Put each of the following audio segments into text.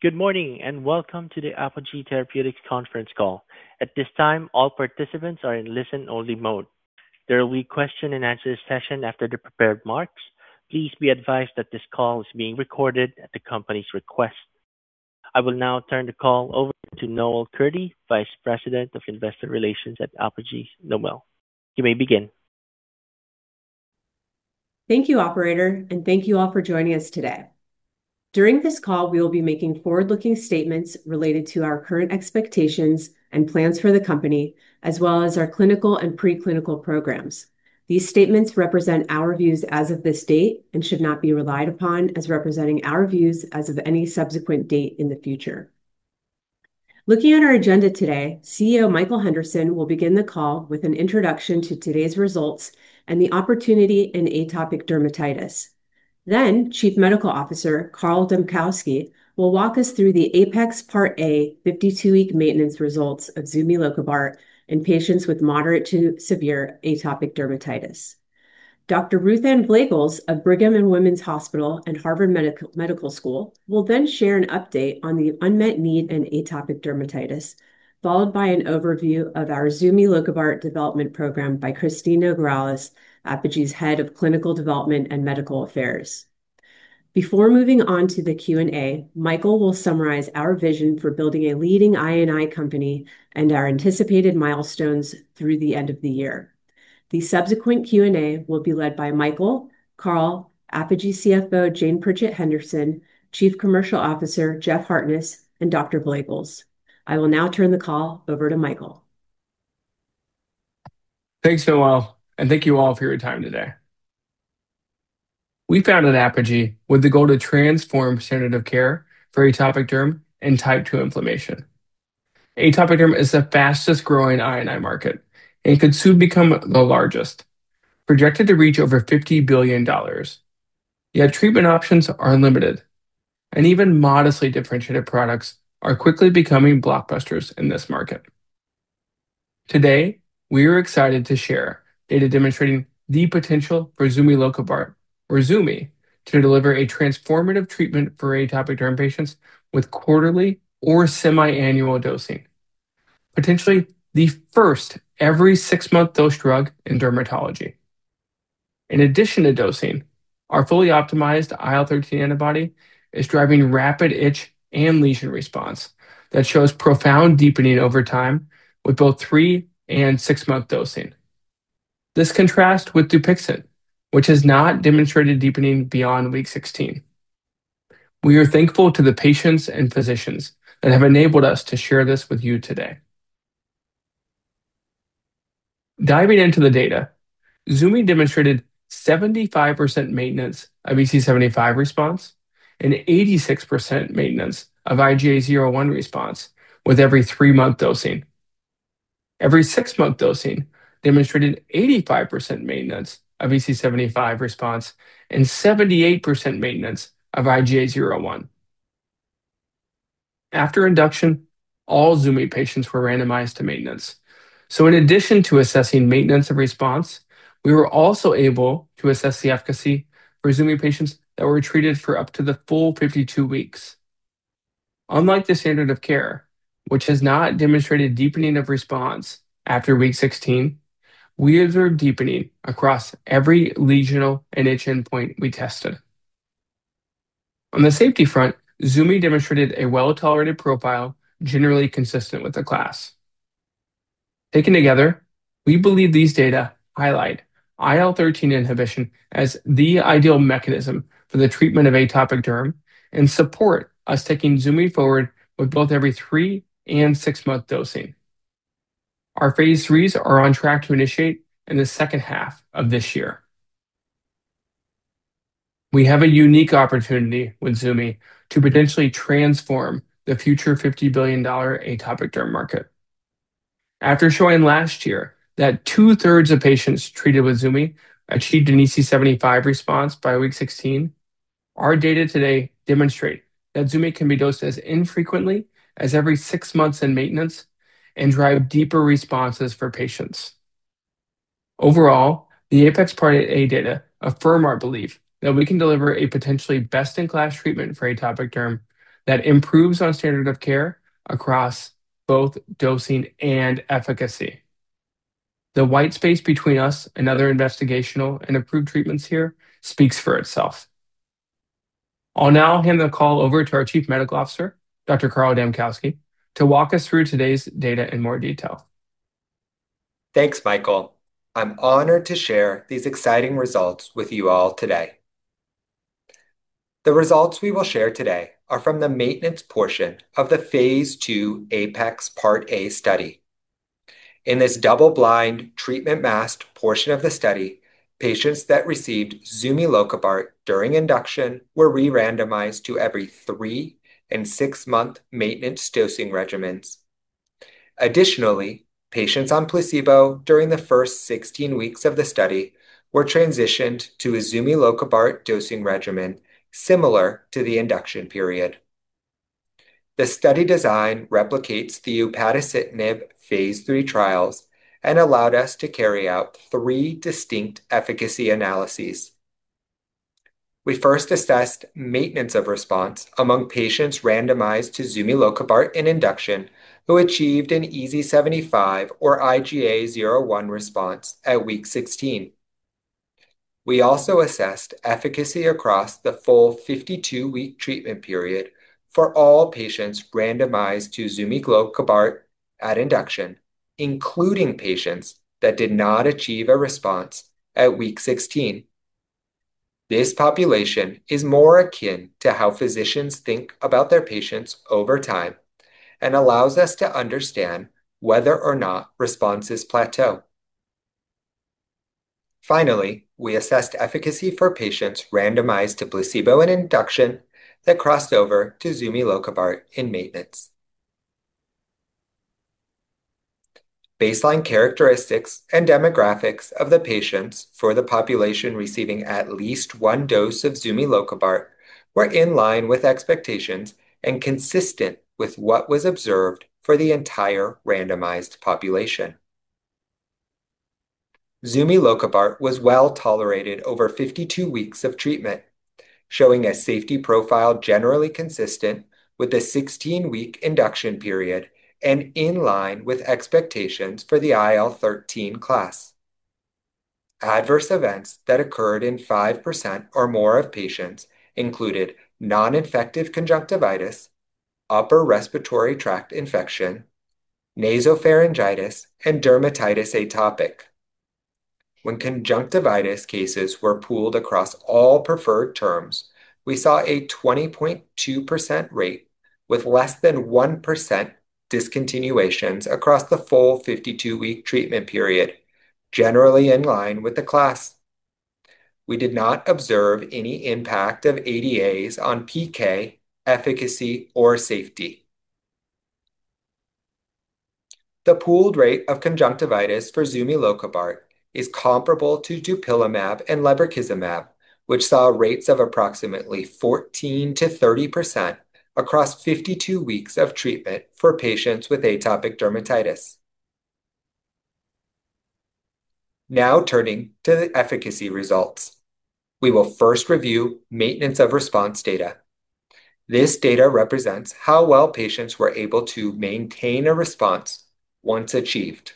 Good morning, and welcome to the Apogee Therapeutics conference call. At this time, all participants are in listen-only mode. There will be question and answer session after the prepared remarks. Please be advised that this call is being recorded at the company's request. I will now turn the call over to Noel Kurdi, Vice President of Investor Relations at Apogee. Noel, you may begin. Thank you, operator, and thank you all for joining us today. During this call, we will be making forward-looking statements related to our current expectations and plans for the company, as well as our clinical and pre-clinical programs. These statements represent our views as of this date and should not be relied upon as representing our views as of any subsequent date in the future. Looking at our agenda today, CEO Michael Henderson will begin the call with an introduction to today's results and the opportunity in atopic dermatitis. Chief Medical Officer Carl Dambkowski will walk us through the APEX Part A 52-week maintenance results of zumilokibart in patients with moderate to severe atopic dermatitis. Dr. Ruth Ann Vleugels of Brigham and Women's Hospital and Harvard Medical School will then share an update on the unmet need in atopic dermatitis, followed by an overview of our zumilokibart development program by Kristine Nograles, Apogee's Head of Clinical Development and Medical Affairs. Before moving on to the Q&A, Michael will summarize our vision for building a leading I&I company and our anticipated milestones through the end of the year. The subsequent Q&A will be led by Michael, Carl, Apogee CFO Jane Pritchett Henderson, Chief Commercial Officer Jeff Hartness, and Dr. Vleugels. I will now turn the call over to Michael. Thanks, Noel, and thank you all for your time today. We founded Apogee with the goal to transform standard of care for atopic derm and type two inflammation. Atopic derm is the fastest-growing I&I market and could soon become the largest, projected to reach over $50 billion. Yet treatment options are limited, and even modestly differentiated products are quickly becoming blockbusters in this market. Today, we are excited to share data demonstrating the potential for zumilokibart, or zumi, to deliver a transformative treatment for atopic derm patients with quarterly or semi-annual dosing. Potentially the first-ever six-month dose drug in dermatology. In addition to dosing, our fully optimized IL-13 antibody is driving rapid itch and lesion response that shows profound deepening over time with both three and six-month dosing. This contrasts with Dupixent, which has not demonstrated deepening beyond week 16. We are thankful to the patients and physicians that have enabled us to share this with you today. Diving into the data, zumilokibart demonstrated 75% maintenance of EASI-75 response and 86% maintenance of IGA 0/1 response with every three month dosing. Every six month dosing demonstrated 85% maintenance of EASI-75 response and 78% maintenance of IGA 0/1. After induction, all zumilokibart patients were randomized to maintenance. In addition to assessing maintenance of response, we were also able to assess the efficacy for zumilokibart patients that were treated for up to the full 52 weeks. Unlike the standard of care, which has not demonstrated deepening of response after week 16, we observed deepening across every lesional and itch endpoint we tested. On the safety front, zumilokibart demonstrated a well-tolerated profile, generally consistent with the class. Taken together, we believe these data highlight IL-13 inhibition as the ideal mechanism for the treatment of atopic derm and support us taking zumi forward with both every three and six month dosing. Our phase IIIs are on track to initiate in the second half of this year. We have a unique opportunity with zumi to potentially transform the future $50 billion atopic derm market. After showing last year that two-thirds of patients treated with zumi achieved an EASI-75 response by week 16, our data today demonstrate that zumi can be dosed as infrequently as every six months in maintenance and drive deeper responses for patients. Overall, the APEX Part A data affirm our belief that we can deliver a potentially best-in-class treatment for atopic derm that improves on standard of care across both dosing and efficacy. The white space between us and other investigational and approved treatments here speaks for itself. I'll now hand the call over to our Chief Medical Officer, Dr. Carl Dambkowski, to walk us through today's data in more detail. Thanks, Michael. I'm honored to share these exciting results with you all today. The results we will share today are from the maintenance portion of the phase II APEX Part A study. In this double-blind, treatment-masked portion of the study, patients that received zumilokibart during induction were re-randomized to every three and six month maintenance dosing regimens. Additionally, patients on placebo during the first 16 weeks of the study were transitioned to a zumilokibart dosing regimen similar to the induction period. The study design replicates the upadacitinib phase III trials and allowed us to carry out three distinct efficacy analyses. We first assessed maintenance of response among patients randomized to zumilokibart in induction who achieved an EASI-75 or IGA 0/1 response at week 16. We also assessed efficacy across the full 52-week treatment period for all patients randomized to zumilokibart at induction, including patients that did not achieve a response at week 16. This population is more akin to how physicians think about their patients over time and allows us to understand whether or not responses plateau. Finally, we assessed efficacy for patients randomized to placebo in induction that crossed over to zumilokibart in maintenance. Baseline characteristics and demographics of the patients for the population receiving at least one dose of zumilokibart were in line with expectations and consistent with what was observed for the entire randomized population. zumilokibart was well tolerated over 52 weeks of treatment, showing a safety profile generally consistent with the 16-week induction period and in line with expectations for the IL-13 class. Adverse events that occurred in 5% or more of patients included non-infective conjunctivitis, upper respiratory tract infection, nasopharyngitis, and atopic dermatitis. When conjunctivitis cases were pooled across all preferred terms, we saw a 20.2% rate with less than 1% discontinuations across the full 52-week treatment period, generally in line with the class. We did not observe any impact of ADAs on PK, efficacy, or safety. The pooled rate of conjunctivitis for zumilokibart is comparable to dupilumab and lebrikizumab, which saw rates of approximately 14%-30% across 52 weeks of treatment for patients with atopic dermatitis. Now turning to the efficacy results. We will first review maintenance of response data. This data represents how well patients were able to maintain a response once achieved.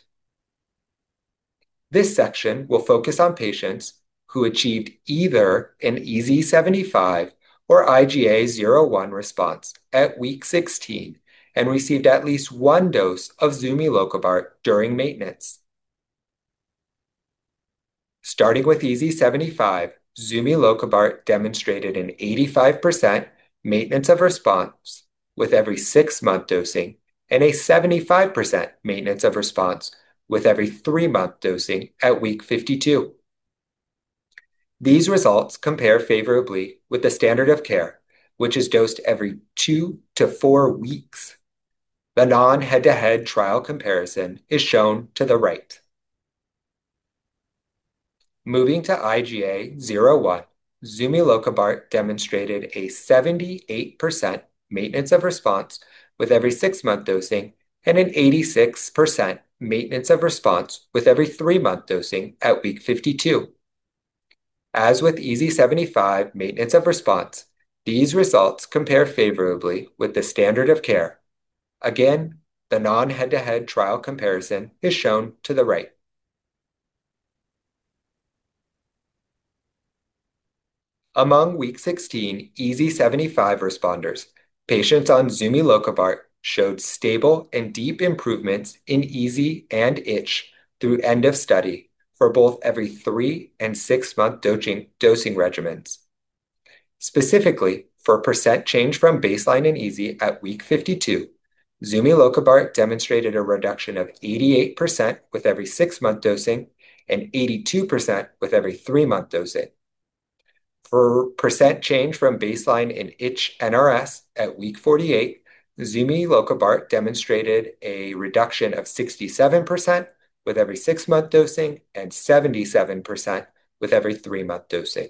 This section will focus on patients who achieved either an EASI-75 or IGA 0/1 response at week 16 and received at least one dose of zumilokibart during maintenance. Starting with EASI-75, zumilokibart demonstrated an 85% maintenance of response with every six-month dosing and a 75% maintenance of response with every three-month dosing at week 52. These results compare favorably with the standard of care, which is dosed every two to four weeks. The non-head-to-head trial comparison is shown to the right. Moving to IGA 0/1, zumilokibart demonstrated a 78% maintenance of response with every six-month dosing and an 86% maintenance of response with every three-month dosing at week 52. As with EASI-75 maintenance of response, these results compare favorably with the standard of care. Again, the non-head-to-head trial comparison is shown to the right. Among week 16 EASI-75 responders, patients on zumilokibart showed stable and deep improvements in EASI and itch through end of study for both every three- and six-month dosing regimens. Specifically, for percent change from baseline in EASI at week 52, zumilokibart demonstrated a reduction of 88% with every six-month dosing and 82% with every three-month dosing. For percent change from baseline in itch NRS at week 48, zumilokibart demonstrated a reduction of 67% with every six-month dosing and 77% with every three-month dosing.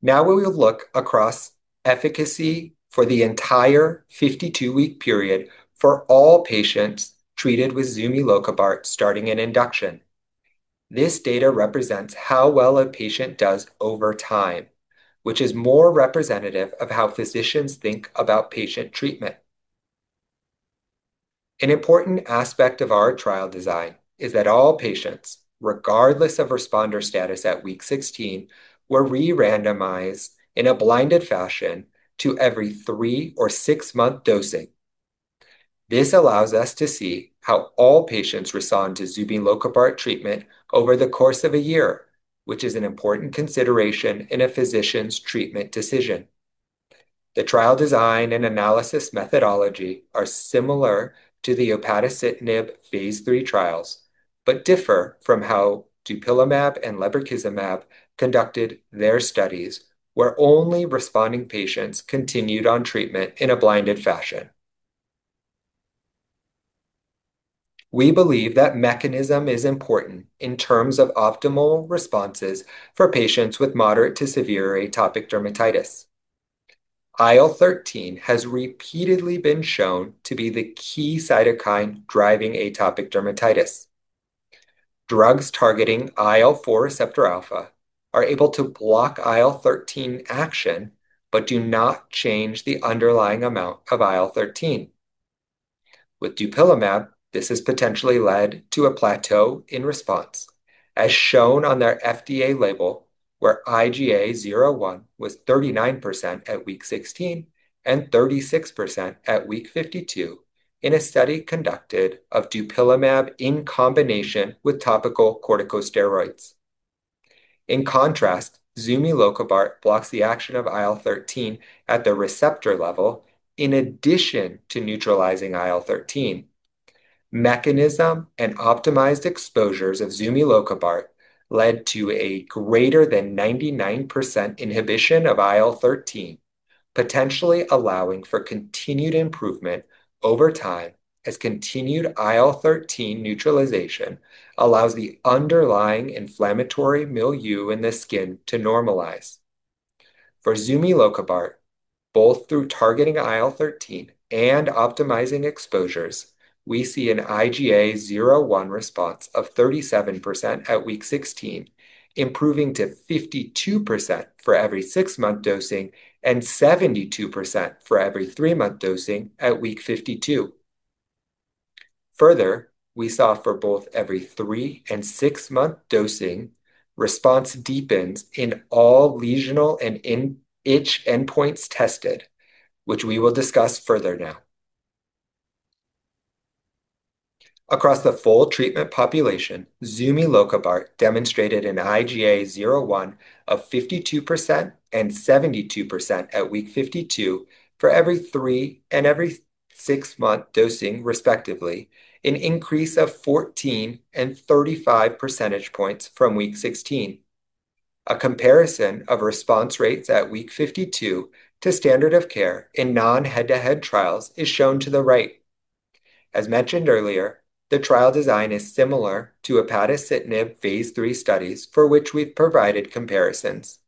Now we will look across efficacy for the entire 52-week period for all patients treated with zumilokibart starting in induction. This data represents how well a patient does over time, which is more representative of how physicians think about patient treatment. An important aspect of our trial design is that all patients, regardless of responder status at week 16, were re-randomized in a blinded fashion to every three- or six-month dosing. This allows us to see how all patients respond to zumilokibart treatment over the course of a year, which is an important consideration in a physician's treatment decision. The trial design and analysis methodology are similar to the upadacitinib phase III trials, but differ from how dupilumab and lebrikizumab conducted their studies, where only responding patients continued on treatment in a blinded fashion. We believe that mechanism is important in terms of optimal responses for patients with moderate to severe atopic dermatitis. IL-13 has repeatedly been shown to be the key cytokine driving atopic dermatitis. Drugs targeting IL-4 receptor alpha are able to block IL-13 action but do not change the underlying amount of IL-13. With dupilumab, this has potentially led to a plateau in response, as shown on their FDA label, where IGA 0/1 was 39% at week 16 and 36% at week 52 in a study conducted of dupilumab in combination with topical corticosteroids. In contrast, zumilokibart blocks the action of IL-13 at the receptor level in addition to neutralizing IL-13. Mechanism and optimized exposures of zumilokibart led to a greater than 99% inhibition of IL-13, potentially allowing for continued improvement over time as continued IL-13 neutralization allows the underlying inflammatory milieu in the skin to normalize. For zumilokibart, both through targeting IL-13 and optimizing exposures, we see an IGA 0/1 response of 37% at week 16, improving to 52% for every six month dosing and 72% for every three month dosing at week 52. Further, we saw for both every three- and six-month dosing, response deepens in all lesional and itch endpoints tested, which we will discuss further now. Across the full treatment population, zumilokibart demonstrated an IGA 0/1 of 52% and 72% at week 52 for every three- and every six-month dosing respectively, an increase of 14 and 35 percentage points from week 16. A comparison of response rates at week 52 to standard of care in non-head-to-head trials is shown to the right. As mentioned earlier, the trial design is similar to upadacitinib phase III studies for which we've provided comparisons.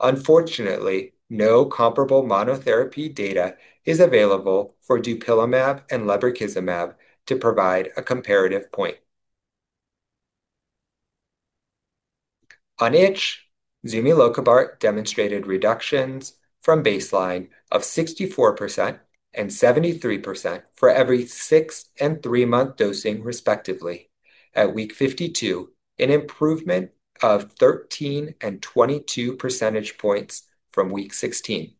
Unfortunately, no comparable monotherapy data is available for dupilumab and lebrikizumab to provide a comparative point. On itch, zumilokibart demonstrated reductions from baseline of 64% and 73% for every six- and three-month dosing respectively. At week 52, an improvement of 13 and 22 percentage points from week 16.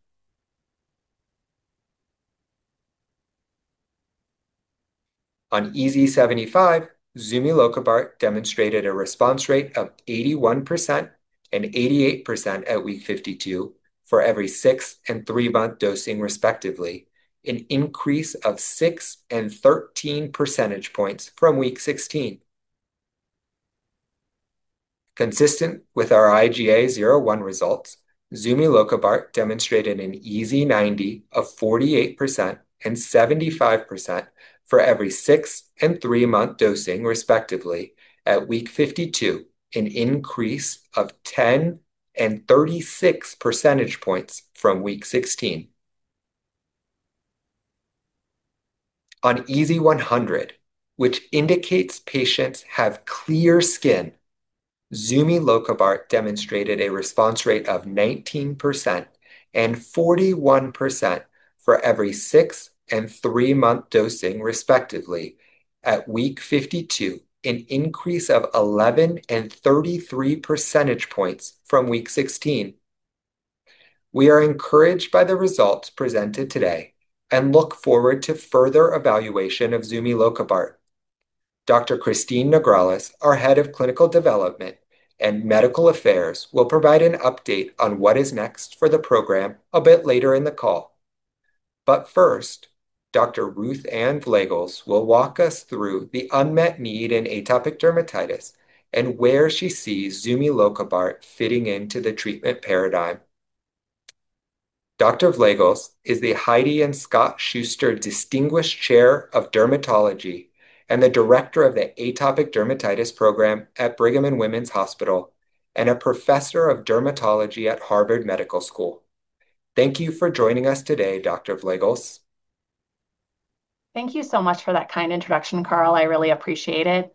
On EASI-75, zumilokibart demonstrated a response rate of 81% and 88% at week 52 for every six and three month dosing respectively, an increase of 6 and 13 percentage points from week 16. Consistent with our IGA 0/1 results, zumilokibart demonstrated an EASI-90 of 48% and 75% for every 6- and three month dosing respectively. At week 52, an increase of 10 and 36 percentage points from week 16. On EASI-100, which indicates patients have clear skin, zumilokibart demonstrated a response rate of 19% and 41% for every six and three month dosing respectively. At week 52, an increase of 11 and 33 percentage points from week 16. We are encouraged by the results presented today and look forward to further evaluation of zumilokibart. Dr. Kristine Nograles, our Head of Clinical Development and Medical Affairs, will provide an update on what is next for the program a bit later in the call. First, Dr. Ruth Ann Vleugels will walk us through the unmet need in atopic dermatitis and where she sees zumilokibart fitting into the treatment paradigm. Dr. Vleugels is the Heidi and Scott C. Schuster Distinguished Chair in Dermatology and the Director of the Atopic Dermatitis Program at Brigham and Women's Hospital and a professor of dermatology at Harvard Medical School. Thank you for joining us today, Dr. Vleugels. Thank you so much for that kind introduction, Carl. I really appreciate it.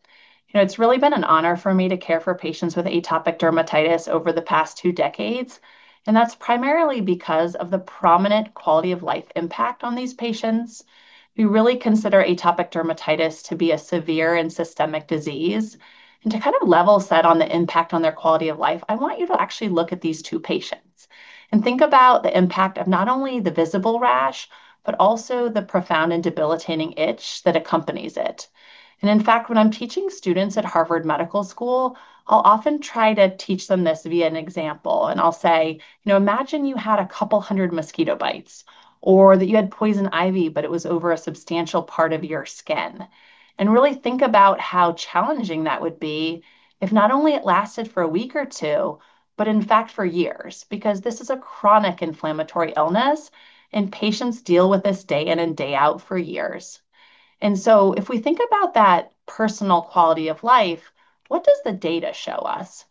You know, it's really been an honor for me to care for patients with atopic dermatitis over the past two decades, and that's primarily because of the prominent quality-of-life impact on these patients. We really consider atopic dermatitis to be a severe and systemic disease. To kind of level set on the impact on their quality of life, I want you to actually look at these two patients and think about the impact of not only the visible rash, but also the profound and debilitating itch that accompanies it. In fact, when I'm teaching students at Harvard Medical School, I'll often try to teach them this via an example, and I'll say, "Now, imagine you had a couple hundred mosquito bites, or that you had poison ivy, but it was over a substantial part of your skin. Really think about how challenging that would be if not only it lasted for a week or two, but in fact for years," because this is a chronic inflammatory illness, and patients deal with this day in and day out for years. If we think about that personal quality of life. What does the data show us?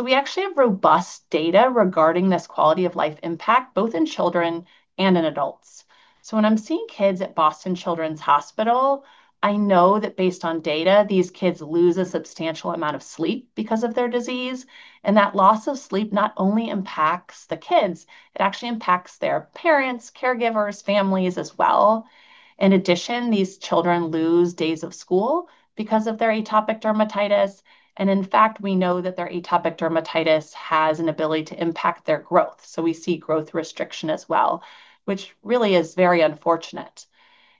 We actually have robust data regarding this quality of life impact, both in children and in adults. When I'm seeing kids at Boston Children's Hospital, I know that based on data, these kids lose a substantial amount of sleep because of their disease, and that loss of sleep not only impacts the kids, it actually impacts their parents, caregivers, families as well. In addition, these children lose days of school because of their atopic dermatitis, and in fact, we know that their atopic dermatitis has an ability to impact their growth. We see growth restriction as well, which really is very unfortunate.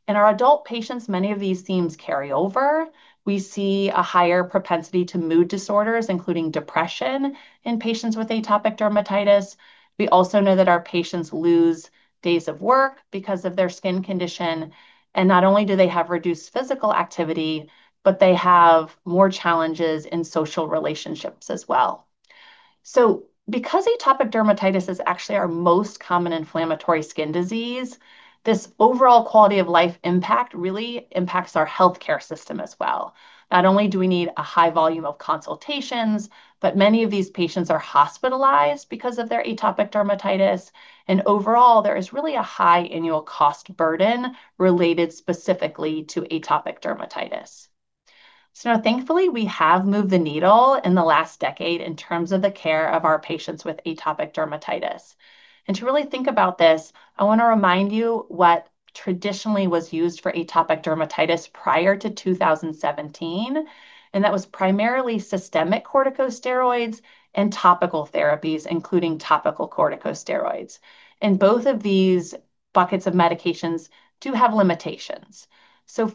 In our adult patients, many of these themes carry over. We see a higher propensity to mood disorders, including depression, in patients with atopic dermatitis. We also know that our patients lose days of work because of their skin condition. Not only do they have reduced physical activity, but they have more challenges in social relationships as well. Because atopic dermatitis is actually our most common inflammatory skin disease, this overall quality of life impact really impacts our healthcare system as well. Not only do we need a high volume of consultations, but many of these patients are hospitalized because of their atopic dermatitis. Overall, there is really a high annual cost burden related specifically to atopic dermatitis. Now thankfully, we have moved the needle in the last decade in terms of the care of our patients with atopic dermatitis. To really think about this, I wanna remind you what traditionally was used for atopic dermatitis prior to 2017, and that was primarily systemic corticosteroids and topical therapies, including topical corticosteroids. Both of these buckets of medications do have limitations.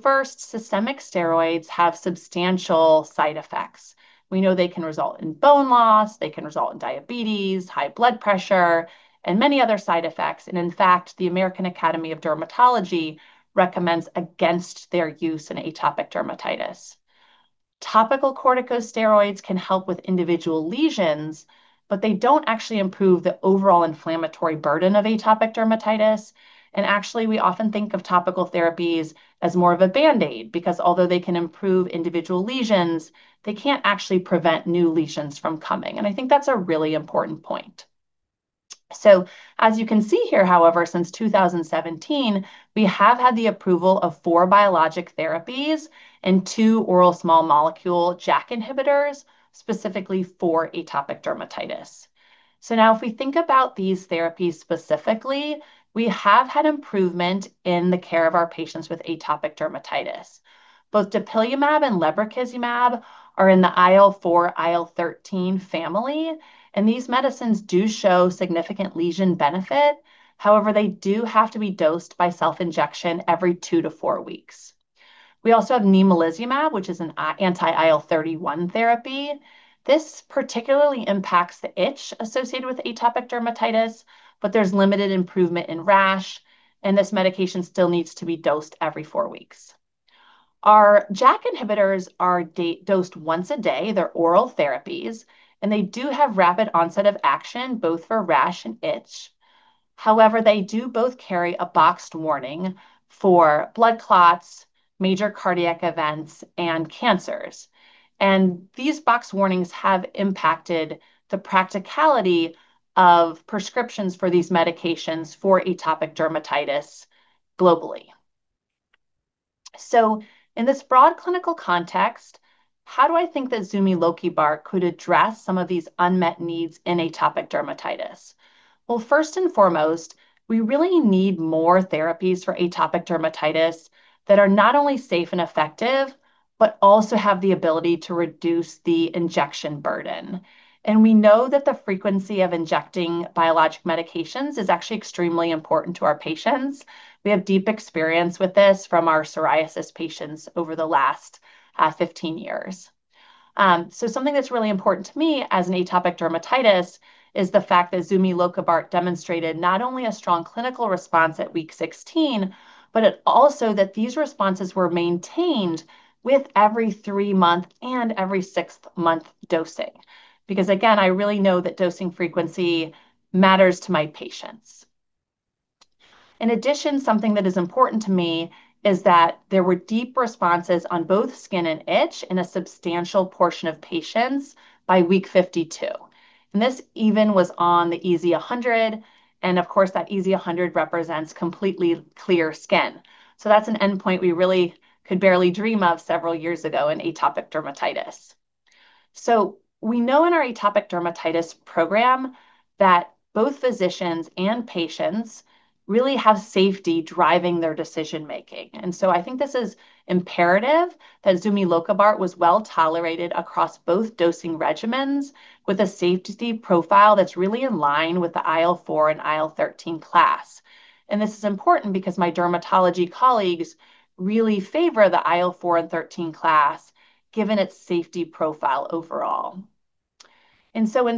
First, systemic steroids have substantial side effects. We know they can result in bone loss, they can result in diabetes, high blood pressure, and many other side effects. In fact, the American Academy of Dermatology recommends against their use in atopic dermatitis. Topical corticosteroids can help with individual lesions, but they don't actually improve the overall inflammatory burden of atopic dermatitis. Actually, we often think of topical therapies as more of a Band-Aid, because although they can improve individual lesions, they can't actually prevent new lesions from coming. I think that's a really important point. As you can see here, however, since 2017, we have had the approval of four biologic therapies and two oral small molecule JAK inhibitors specifically for atopic dermatitis. Now if we think about these therapies specifically, we have had improvement in the care of our patients with atopic dermatitis. Both dupilumab and lebrikizumab are in the IL-4, IL-13 family, and these medicines do show significant lesion benefit. However, they do have to be dosed by self-injection every two to four weeks. We also have nemolizumab, which is a anti-IL-31 therapy. This particularly impacts the itch associated with atopic dermatitis, but there's limited improvement in rash, and this medication still needs to be dosed every four weeks. Our JAK inhibitors are dosed once a day. They're oral therapies, and they do have rapid onset of action, both for rash and itch. However, they do both carry a boxed warning for blood clots, major cardiac events, and cancers. These box warnings have impacted the practicality of prescriptions for these medications for atopic dermatitis globally. In this broad clinical context, how do I think that zumilokibart could address some of these unmet needs in atopic dermatitis? Well, first and foremost, we really need more therapies for atopic dermatitis that are not only safe and effective, but also have the ability to reduce the injection burden. We know that the frequency of injecting biologic medications is actually extremely important to our patients. We have deep experience with this from our psoriasis patients over the last 15 years. Something that's really important to me as an atopic dermatitis is the fact that zumilokibart demonstrated not only a strong clinical response at week 16, but also that these responses were maintained with every three month and every six month dosing. Because again, I really know that dosing frequency matters to my patients. In addition, something that is important to me is that there were deep responses on both skin and itch in a substantial portion of patients by week 52. This event was on the EASI-100, and of course, that EASI-100 represents completely clear skin. That's an endpoint we really could barely dream of several years ago in atopic dermatitis. We know in our atopic dermatitis program that both physicians and patients really have safety driving their decision-making. I think this is imperative that zumilokibart was well-tolerated across both dosing regimens with a safety profile that's really in line with the IL-4 and IL-13 class. This is important because my dermatology colleagues really favor the IL-4 and IL-13 class given its safety profile overall. In sum,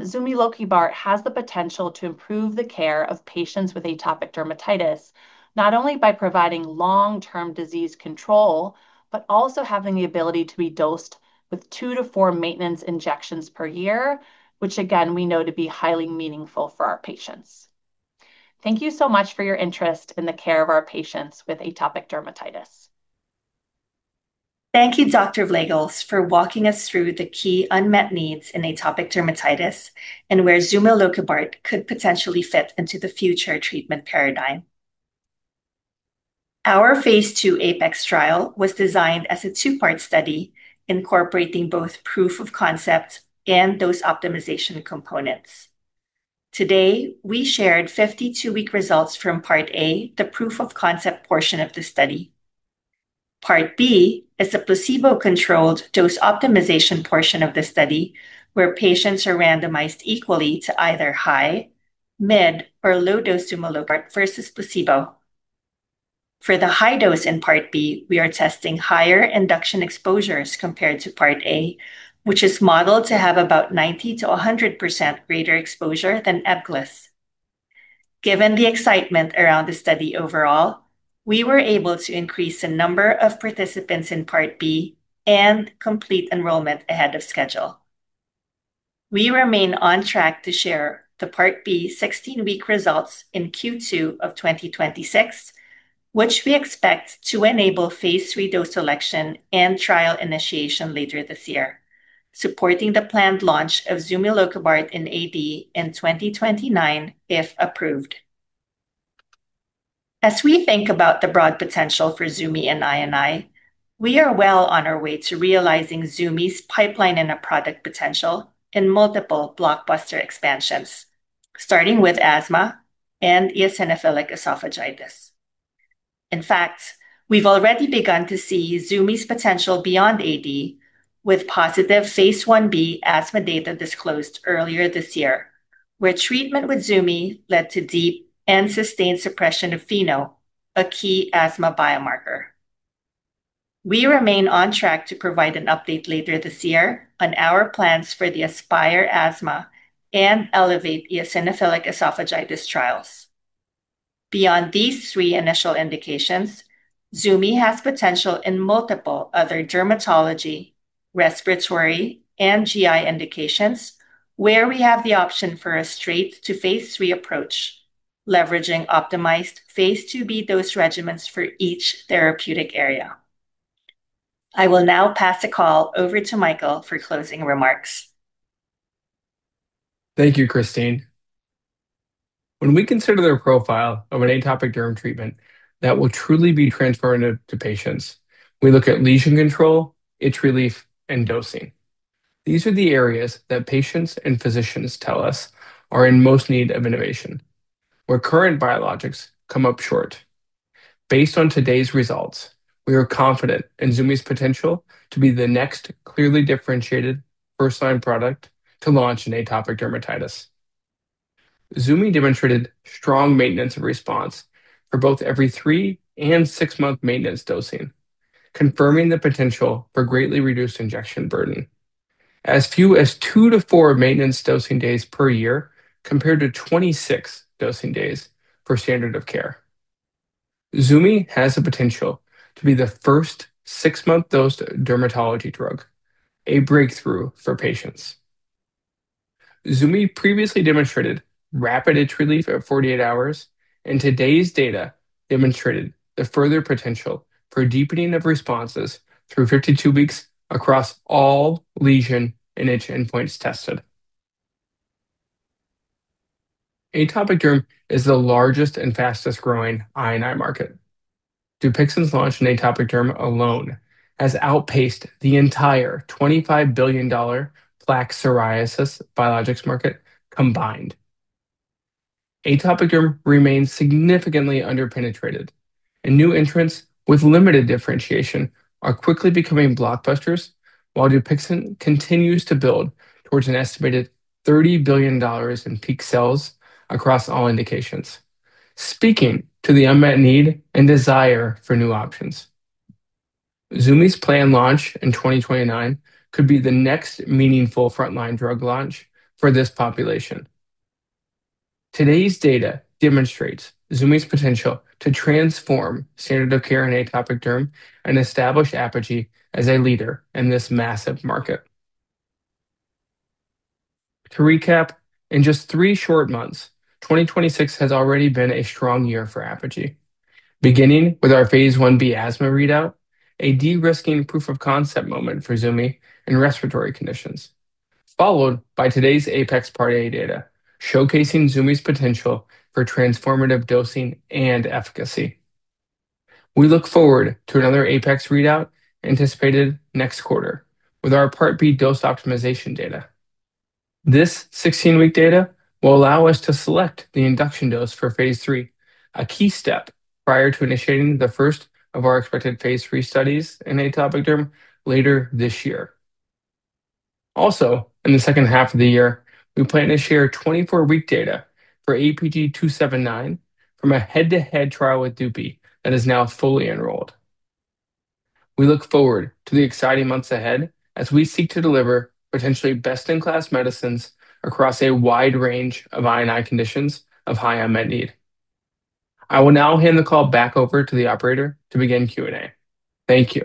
zumilokibart has the potential to improve the care of patients with atopic dermatitis, not only by providing long-term disease control, but also having the ability to be dosed with 2-4 maintenance injections per year, which again, we know to be highly meaningful for our patients. Thank you so much for your interest in the care of our patients with atopic dermatitis. Thank you, Dr. Vleugels, for walking us through the key unmet needs in atopic dermatitis and where zumilokibart could potentially fit into the future treatment paradigm. Our phase II APEX trial was designed as a two-part study incorporating both proof of concept and those optimization components. Today, we shared 52-week results from part A, the proof of concept portion of the study. Part B is a placebo-controlled dose optimization portion of the study where patients are randomized equally to either high, mid, or low dose zumilokibart versus placebo. For the high dose in part B, we are testing higher induction exposures compared to part A, which is modeled to have about 90%-100% greater exposure than EBGLYSS. Given the excitement around the study overall, we were able to increase the number of participants in part B and complete enrollment ahead of schedule. We remain on track to share the part B 16-week results in Q2 of 2026, which we expect to enable phase III dose selection and trial initiation later this year, supporting the planned launch of zumilokibart in AD in 2029 if approved. As we think about the broad potential for zumi and I&I, we are well on our way to realizing zumi's pipeline and a product potential in multiple blockbuster expansions, starting with asthma and eosinophilic esophagitis. In fact, we've already begun to see zumi's potential beyond AD with positive phase Ib asthma data disclosed earlier this year, where treatment with zumi led to deep and sustained suppression of FeNO, a key asthma biomarker. We remain on track to provide an update later this year on our plans for the ASPIRE asthma and [ELEVATE] eosinophilic esophagitis trials. Beyond these three initial indications, zumi has potential in multiple other dermatology, respiratory, and GI indications where we have the option for a straight to phase III approach, leveraging optimized phase IIb dose regimens for each therapeutic area. I will now pass the call over to Michael for closing remarks. Thank you, Kristine. When we consider their profile of an atopic derm treatment that will truly be transformative to patients, we look at lesion control, itch relief, and dosing. These are the areas that patients and physicians tell us are in most need of innovation, where current biologics come up short. Based on today's results, we are confident in zumi's potential to be the next clearly differentiated first-line product to launch in atopic dermatitis. zumi demonstrated strong maintenance and response for both every three and six month maintenance dosing, confirming the potential for greatly reduced injection burden. As few as 2-4 maintenance dosing days per year compared to 26 dosing days for standard of care. zumi has the potential to be the first six month dosed dermatology drug, a breakthrough for patients. zumi previously demonstrated rapid itch relief at 48 hours, and today's data demonstrated the further potential for deepening of responses through 52 weeks across all lesion and itch endpoints tested. Atopic derm is the largest and fastest-growing I&I market. Dupixent's launch in atopic derm alone has outpaced the entire $25 billion plaque psoriasis biologics market combined. Atopic derm remains significantly underpenetrated, and new entrants with limited differentiation are quickly becoming blockbusters while Dupixent continues to build towards an estimated $30 billion in peak sales across all indications. Speaking to the unmet need and desire for new options, zumi's planned launch in 2029 could be the next meaningful frontline drug launch for this population. Today's data demonstrates zumi's potential to transform standard of care in atopic derm and establish Apogee as a leader in this massive market. To recap, in just three short months, 2026 has already been a strong year for Apogee. Beginning with our phase Ib asthma readout, a de-risking proof of concept moment for zumi in respiratory conditions, followed by today's APEX part A data, showcasing zumi's potential for transformative dosing and efficacy. We look forward to another APEX readout anticipated next quarter with our part B dose optimization data. This 16-week data will allow us to select the induction dose for phase III, a key step prior to initiating the first of our expected phase III studies in atopic derm later this year. Also, in the second half of the year, we plan to share 24-week data for APG-279 from a head-to-head trial with Dupi that is now fully enrolled. We look forward to the exciting months ahead as we seek to deliver potentially best-in-class medicines across a wide range of I&I conditions of high unmet need. I will now hand the call back over to the operator to begin Q&A. Thank you.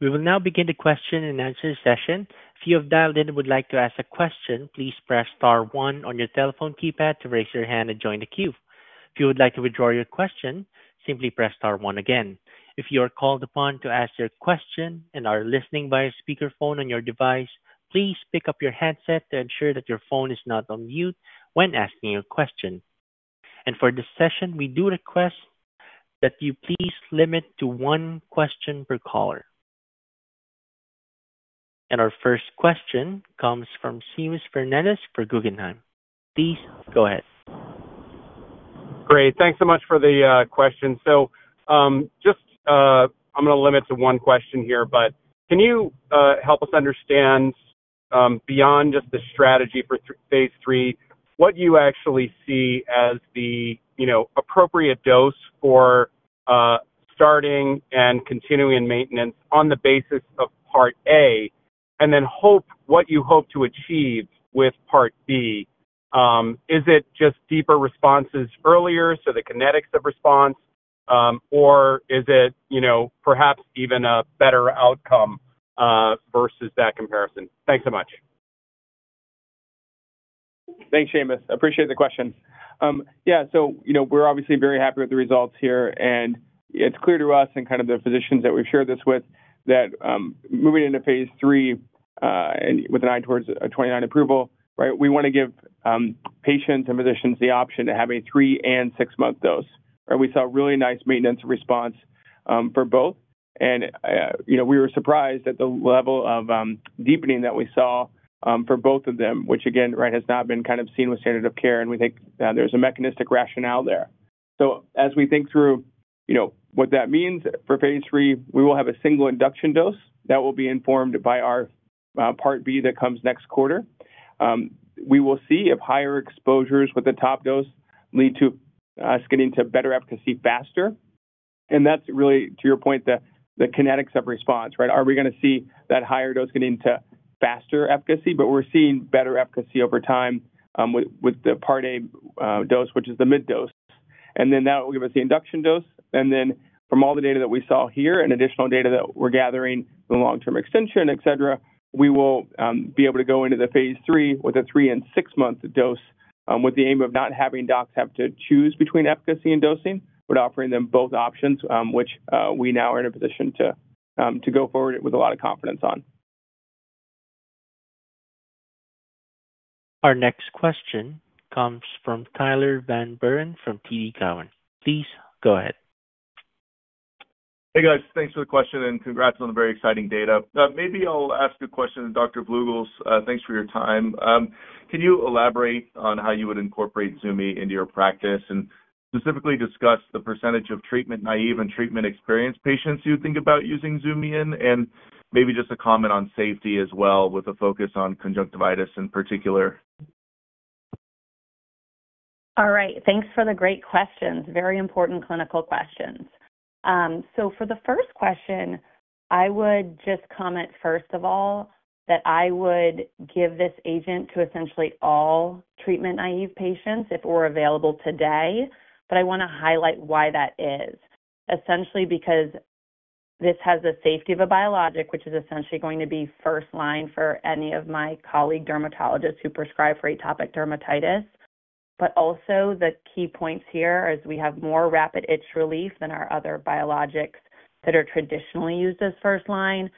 We will now begin the question and answer session. If you have dialed in and would like to ask a question, please press star one on your telephone keypad to raise your hand and join the queue. If you would like to withdraw your question, simply press star one again. If you are called upon to ask your question and are listening via speakerphone on your device, please pick up your headset to ensure that your phone is not on mute when asking your question. For this session, we do request that you please limit to one question per caller. Our first question comes from Seamus Fernandez for Guggenheim. Please go ahead. Great. Thanks so much for the question. So, just, I'm gonna limit to one question here, but can you help us understand, beyond just the strategy for phase III, what you actually see as the, you know, appropriate dose for starting and continuing maintenance on the basis of part A, and then, what you hope to achieve with part B? Is it just deeper responses earlier, so the kinetics of response, or is it, you know, perhaps even a better outcome versus that comparison? Thanks so much. Thanks, Seamus. Appreciate the question. Yeah, so, you know, we're obviously very happy with the results here, and it's clear to us and kind of the physicians that we've shared this with that, moving into phase III, and with an eye towards a 2029 approval, right, we wanna give, patients and physicians the option to have a three and six-month dose. We saw a really nice maintenance response, for both. You know, we were surprised at the level of, deepening that we saw, for both of them, which again, right, has not been kind of seen with standard of care, and we think there's a mechanistic rationale there. As we think through, you know, what that means for phase III, we will have a single induction dose that will be informed by our part B that comes next quarter. We will see if higher exposures with the top dose lead to us getting to better efficacy faster. That's really, to your point, the kinetics of response, right? Are we gonna see that higher dose getting to faster efficacy? We're seeing better efficacy over time with the part A dose, which is the mid dose. Then that will give us the induction dose. From all the data that we saw here and additional data that we're gathering from the long-term extension, etc., we will be able to go into phase III with a three and six month dose, with the aim of not having docs have to choose between efficacy and dosing, but offering them both options, which we now are in a position to go forward with a lot of confidence on. Our next question comes from Tyler Van Buren from TD Cowen. Please go ahead. Hey, guys. Thanks for the question, and congrats on the very exciting data. Maybe I'll ask a question to Dr. Vleugels. Thanks for your time. Can you elaborate on how you would incorporate zumi into your practice and specifically discuss the percentage of treatment-naive and treatment-experienced patients you think about using zumi in? Maybe just a comment on safety as well, with a focus on conjunctivitis in particular. All right. Thanks for the great questions. Very important clinical questions. For the first question, I would just comment first of all that I would give this agent to essentially all treatment-naive patients if it were available today. I wanna highlight why that is. Essentially because this has the safety of a biologic, which is essentially going to be first line for any of my colleague dermatologists who prescribe for atopic dermatitis. Also the key points here is we have more rapid itch relief than our other biologics that are traditionally used as first line.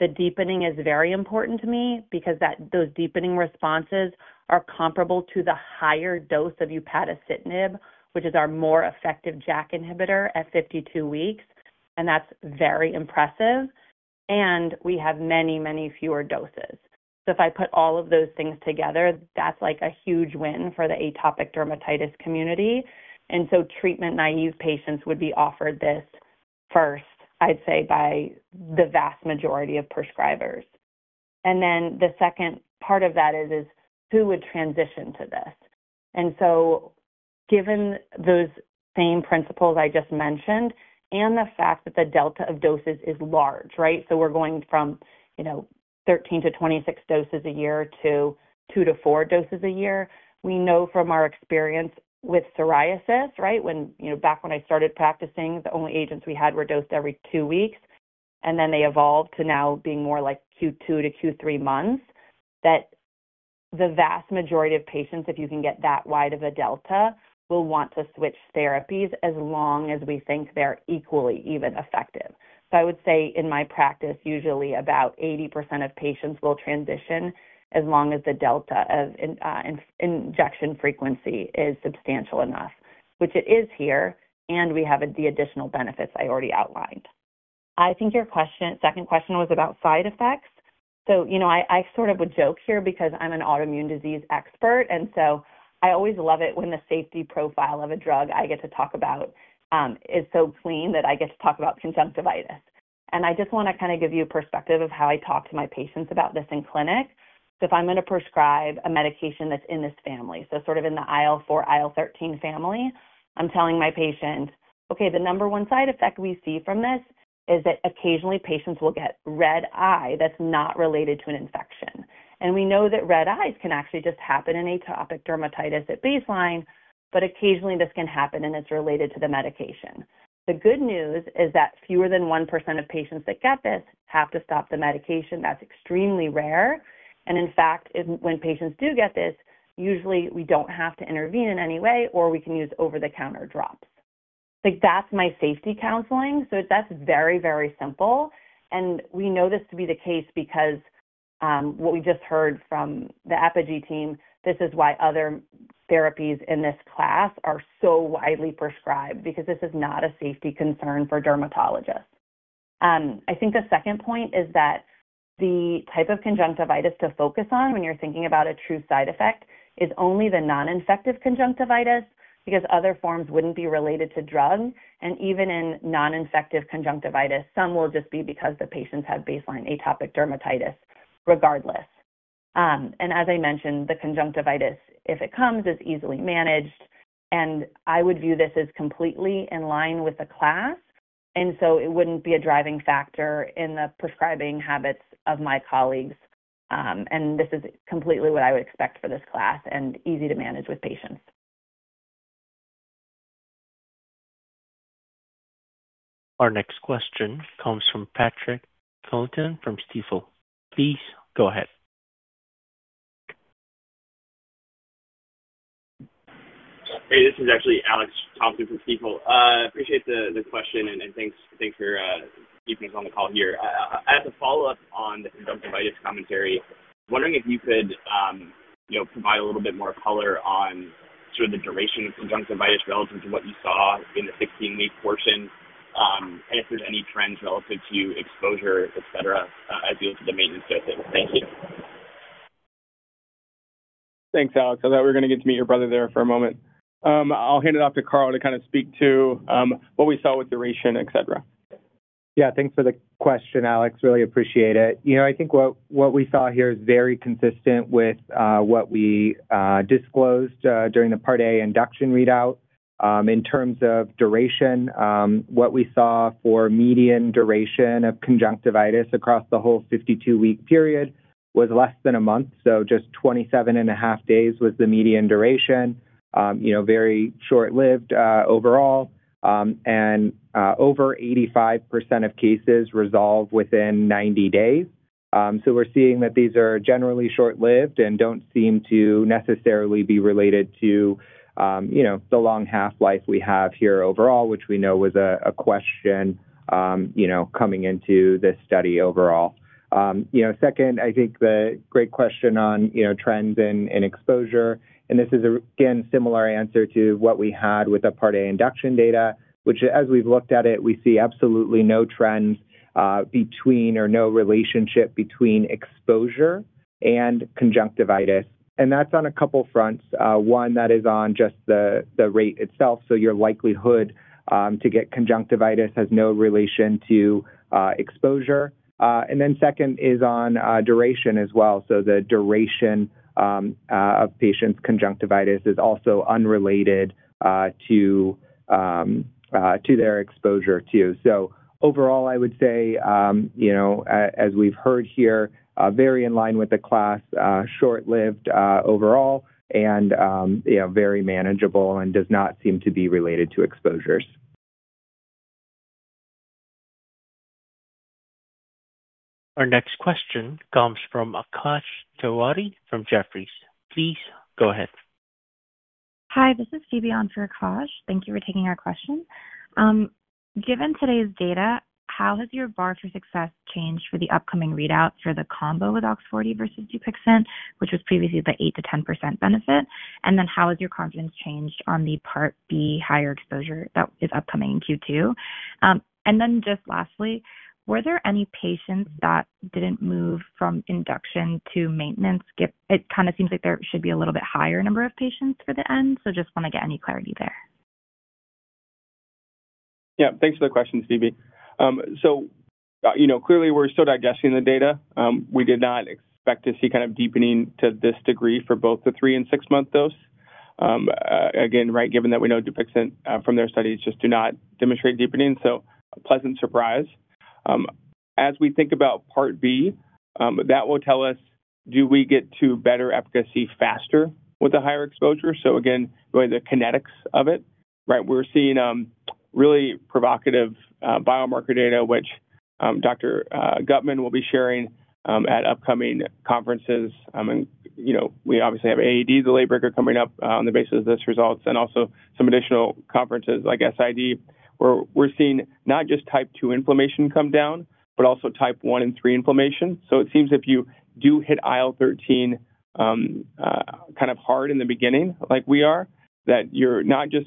The deepening is very important to me because those deepening responses are comparable to the higher dose of upadacitinib, which is our more effective JAK inhibitor at 52 weeks, and that's very impressive. We have many, many fewer doses. If I put all of those things together, that's, like, a huge win for the atopic dermatitis community. Treatment-naive patients would be offered this first, I'd say, by the vast majority of prescribers. Then the second part of that is who would transition to this? Given those same principles I just mentioned and the fact that the delta of doses is large, right? We're going from, you know, 13-26 doses a year to 2-4 doses a year. We know from our experience with psoriasis, right? When, you know, back when I started practicing, the only agents we had were dosed every two weeks, and then they evolved to now being more like Q2 to Q3 months, that the vast majority of patients, if you can get that wide of a delta, will want to switch therapies as long as we think they're equally even effective. I would say in my practice, usually about 80% of patients will transition as long as the delta of injection frequency is substantial enough, which it is here, and we have the additional benefits I already outlined. I think your second question was about side effects. You know, I sort of would joke here because I'm an autoimmune disease expert, and I always love it when the safety profile of a drug I get to talk about is so clean that I get to talk about conjunctivitis. I just wanna kinda give you a perspective of how I talk to my patients about this in clinic. If I'm gonna prescribe a medication that's in this family, so sort of in the IL-4, IL-13 family, I'm telling my patient, "Okay, the number one side effect we see from this is that occasionally patients will get red eye that's not related to an infection. And we know that red eyes can actually just happen in atopic dermatitis at baseline, but occasionally this can happen and it's related to the medication. The good news is that fewer than 1% of patients that get this have to stop the medication. That's extremely rare. In fact, when patients do get this, usually we don't have to intervene in any way or we can use over-the-counter drops. Like, that's my safety counseling, so that's very, very simple. We know this to be the case because what we just heard from the Apogee team, this is why other therapies in this class are so widely prescribed, because this is not a safety concern for dermatologists. I think the second point is that the type of conjunctivitis to focus on when you're thinking about a true side effect is only the non-infective conjunctivitis, because other forms wouldn't be related to drugs. Even in non-infective conjunctivitis, some will just be because the patients have baseline atopic dermatitis regardless. As I mentioned, the conjunctivitis, if it comes, is easily managed, and I would view this as completely in line with the class. It wouldn't be a driving factor in the prescribing habits of my colleagues. This is completely what I would expect for this class and easy to manage with patients. Our next question comes from Patrick Colton from Stifel. Please go ahead. Hey, this is actually Alex Thompson from Stifel. Appreciate the question and thanks for keeping us on the call here. As a follow-up on the conjunctivitis commentary, wondering if you could, you know, provide a little bit more color on sort of the duration of conjunctivitis relative to what you saw in the 16-week portion, and if there's any trends relative to exposure, et cetera, as it relates to the maintenance dosing. Thank you. Thanks, Alex. I thought we were gonna get to meet your brother there for a moment. I'll hand it off to Carl to kinda speak to what we saw with duration, et cetera. Yeah. Thanks for the question, Alex. I really appreciate it. You know, I think what we saw here is very consistent with what we disclosed during the Part A induction readout. In terms of duration, what we saw for median duration of conjunctivitis across the whole 52-week period was less than a month, so just 27.5 days was the median duration. You know, very short-lived overall. Over 85% of cases resolve within 90 days. We're seeing that these are generally short-lived and don't seem to necessarily be related to you know, the long half-life we have here overall, which we know was a question you know, coming into this study overall. You know, second, I think the great question on, you know, trends in exposure, and this is, again, similar answer to what we had with the Part A induction data, which as we've looked at it, we see absolutely no trends or no relationship between exposure and conjunctivitis. That's on a couple fronts. One, that is on just the rate itself. Your likelihood to get conjunctivitis has no relation to exposure. And then second is on duration as well. The duration of patients' conjunctivitis is also unrelated to their exposure too. Overall, I would say, you know, as we've heard here, very in line with the class, short-lived overall and, you know, very manageable and does not seem to be related to exposures. Our next question comes from Akash Tewari from Jefferies. Please go ahead. Hi, this is Phoebe on for Akash. Thank you for taking our question. Given today's data, how has your bar for success changed for the upcoming readouts for the combo with OX40L versus Dupixent, which was previously the 8%-10% benefit? How has your confidence changed on the Part B higher exposure that is upcoming in Q2? Just lastly, were there any patients that didn't move from induction to maintenance? It kinda seems like there should be a little bit higher number of patients for the N. Just wanna get any clarity there. Yeah. Thanks for the question, Phoebe. So, you know, clearly we're still digesting the data. We did not expect to see kind of deepening to this degree for both the three and six month dose. Again, right, given that we know Dupixent from their studies just do not demonstrate deepening, so a pleasant surprise. As we think about Part B, that will tell us do we get to better efficacy faster with the higher exposure? So again, really the kinetics of it, right? We're seeing really provocative biomarker data, which Dr. Guttman will be sharing at upcoming conferences. you know, we obviously have AAD, the late breaker coming up, on the basis of these results and also some additional conferences like SID, where we're seeing not just type 2 inflammation come down, but also type 1 and 3 inflammation. It seems if you do hit IL-13 kind of hard in the beginning like we are, that you're not just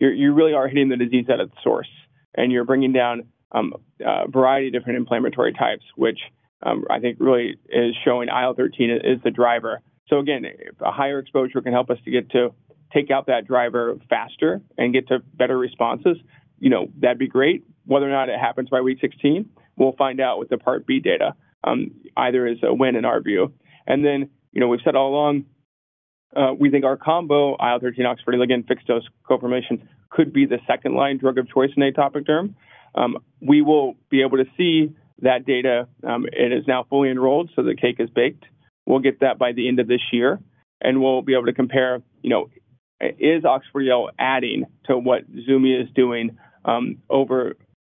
You really are hitting the disease at its source and you're bringing down a variety of different inflammatory types, which I think really is showing IL-13 is the driver. Again, if a higher exposure can help us to get to take out that driver faster and get to better responses, you know, that'd be great. Whether or not it happens by week 16, we'll find out with the Part B data, either is a win in our view. You know, we've said all along we think our combo IL-13 OX40 ligand fixed dose co-formulation could be the second line drug of choice in atopic derm. We will be able to see that data, it is now fully enrolled, so the cake is baked. We'll get that by the end of this year, and we'll be able to compare, you know, is OX40L adding to what zumi is doing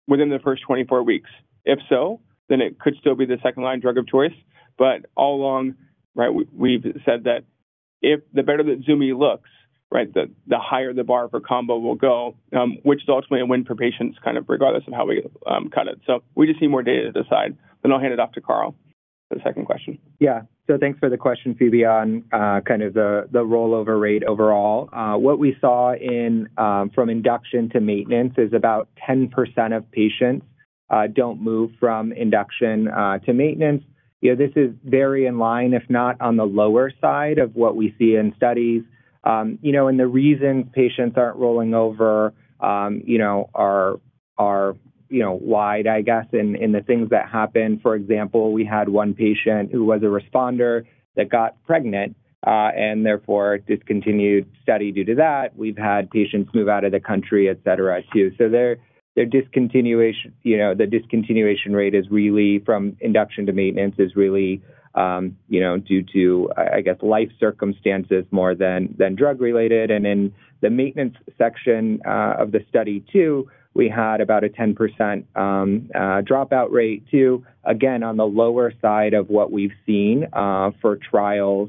within the first 24 weeks. If so, it could still be the second line drug of choice. All along, right, we've said that if the better that zumi looks, right, the higher the bar for combo will go, which is ultimately a win for patients, kind of, regardless of how we cut it. We just need more data to decide. I'll hand it off to Carl for the second question. Yeah. Thanks for the question, Phoebe, on kind of the rollover rate overall. What we saw from induction to maintenance is about 10% of patients don't move from induction to maintenance. You know, this is very in line, if not on the lower side of what we see in studies. You know, and the reasons patients aren't rolling over, you know, are wide, I guess, in the things that happen. For example, we had one patient who was a responder that got pregnant and therefore discontinued study due to that. We've had patients move out of the country, et cetera, too. Their discontinuation, you know, the discontinuation rate is really from induction to maintenance is really, you know, due to I guess, life circumstances more than drug-related. In the maintenance section of the study too, we had about a 10% dropout rate too. Again, on the lower side of what we've seen for trials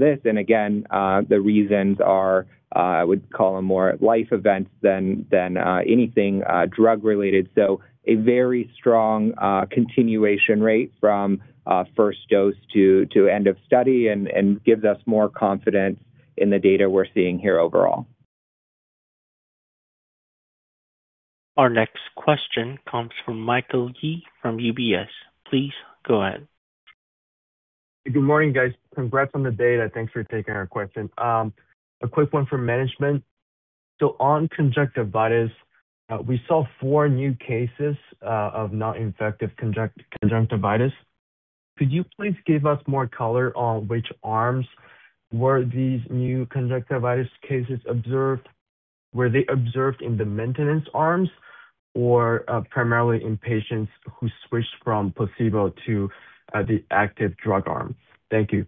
this. Again, the reasons are I would call them more life events than anything drug-related. A very strong continuation rate from first dose to end of study and gives us more confidence in the data we're seeing here overall. Our next question comes from Michael Yee from UBS. Please go ahead. Good morning, guys. Congrats on the data. Thanks for taking our question. A quick one for management. On conjunctivitis, we saw four new cases of non-infective conjunctivitis. Could you please give us more color on which arms were these new conjunctivitis cases observed? Were they observed in the maintenance arms or primarily in patients who switched from placebo to the active drug arms? Thank you.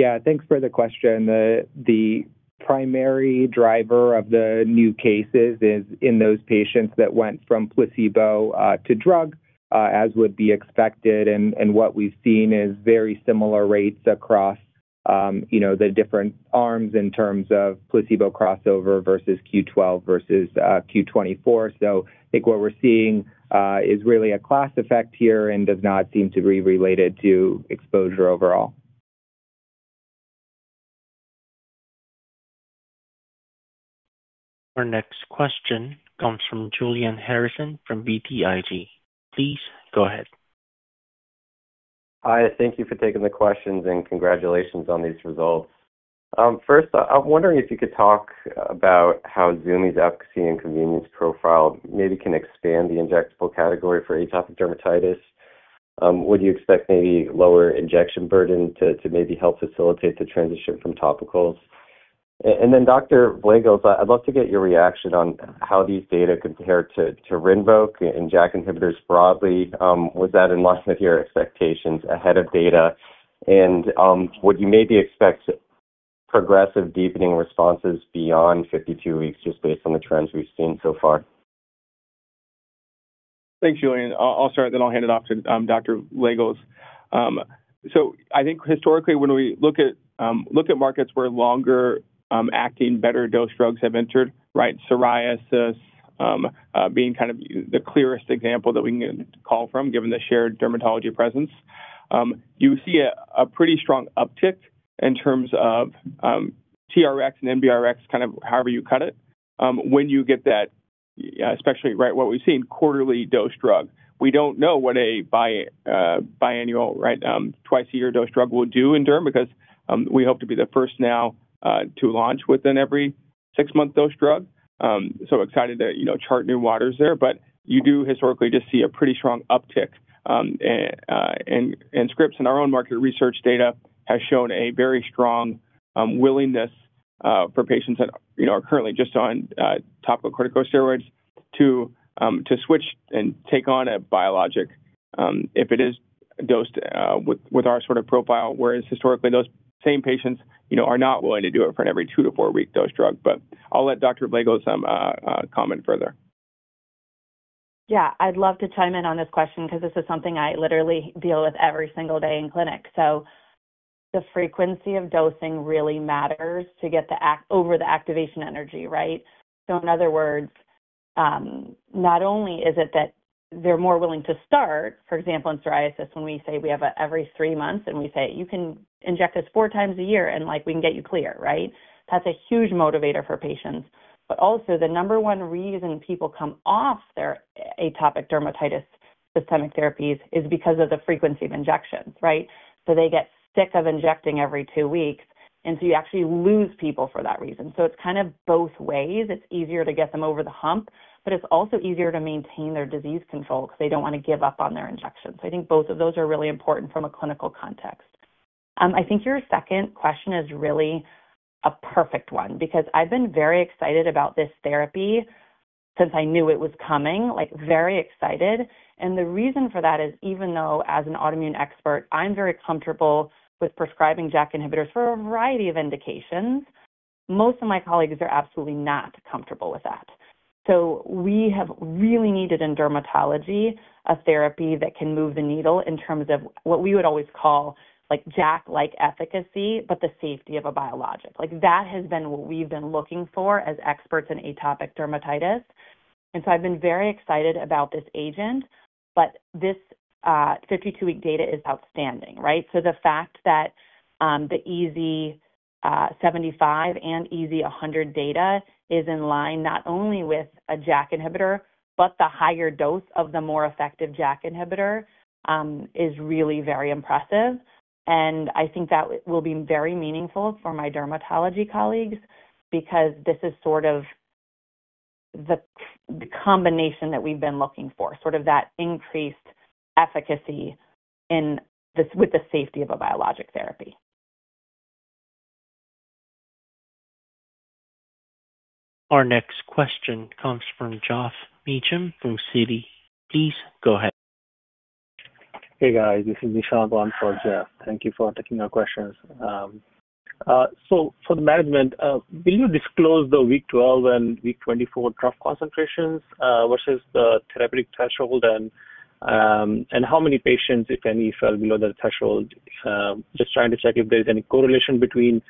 Yeah. Thanks for the question. The primary driver of the new cases is in those patients that went from placebo to drug, as would be expected. What we've seen is very similar rates across, you know, the different arms in terms of placebo crossover versus Q12 versus Q24. I think what we're seeing is really a class effect here and does not seem to be related to exposure overall. Our next question comes from Julian Harrison from BTIG. Please go ahead. Hi. Thank you for taking the questions, and congratulations on these results. First, I'm wondering if you could talk about how zumi's efficacy and convenience profile maybe can expand the injectable category for atopic dermatitis. Would you expect maybe lower injection burden to maybe help facilitate the transition from topicals? And then, Dr. Vleugels, I'd love to get your reaction on how these data compare to Rinvoq and JAK inhibitors broadly. Was that in line with your expectations ahead of data? Would you maybe expect progressive deepening responses beyond 52 weeks just based on the trends we've seen so far? Thanks, Julian. I'll start, then I'll hand it off to Dr. Vleugels. I think historically, when we look at markets where longer acting better dose drugs have entered, right, psoriasis being kind of the clearest example that we can call from given the shared dermatology presence, you see a pretty strong uptick in terms of TRX and NBRX, kind of however you cut it, when you get that, especially, right, what we've seen, quarterly dose drug. We don't know what a biannual, right, twice-a-year dose drug will do in derm because we hope to be the first now to launch within every six-month dose drug. Excited to, you know, chart new waters there. You do historically just see a pretty strong uptick. Scripts in our own market research data has shown a very strong willingness for patients that, you know, are currently just on topical corticosteroids to switch and take on a biologic if it is dosed with our sort of profile. Whereas historically, those same patients, you know, are not willing to do it for an every two to four week dose drug. I'll let Dr. Vleugels comment further. Yeah. I'd love to chime in on this question because this is something I literally deal with every single day in clinic. The frequency of dosing really matters to get over the activation energy, right? In other words, not only is it that they're more willing to start, for example, in psoriasis, when we say we have an every three months, and we say, "You can inject this four times a year, and, like, we can get you clear," right? That's a huge motivator for patients. Also, the number one reason people come off their atopic dermatitis systemic therapies is because of the frequency of injections, right? They get sick of injecting every two weeks. You actually lose people for that reason. It's kind of both ways. It's easier to get them over the hump, but it's also easier to maintain their disease control because they don't want to give up on their injections. I think both of those are really important from a clinical context. I think your second question is really a perfect one because I've been very excited about this therapy since I knew it was coming, like very excited. The reason for that is even though as an autoimmune expert, I'm very comfortable with prescribing JAK inhibitors for a variety of indications, most of my colleagues are absolutely not comfortable with that. We have really needed in dermatology a therapy that can move the needle in terms of what we would always call like JAK-like efficacy, but the safety of a biologic. Like that has been what we've been looking for as experts in atopic dermatitis. I've been very excited about this agent, but this 52-week data is outstanding, right? The fact that the EASI-75 and EASI-100 data is in line not only with a JAK inhibitor, but the higher dose of the more effective JAK inhibitor is really very impressive. I think that will be very meaningful for my dermatology colleagues because this is sort of the combination that we've been looking for, sort of that increased efficacy in this with the safety of a biologic therapy. Our next question comes from Geoff Meacham from Citi. Please go ahead. Hey, guys. This is Nishant, going for Geoff. Thank you for taking our questions. So for the management, will you disclose the week 12 and week 24 trough concentrations versus the therapeutic threshold? How many patients, if any, fell below the threshold? Just trying to check if there's any correlation between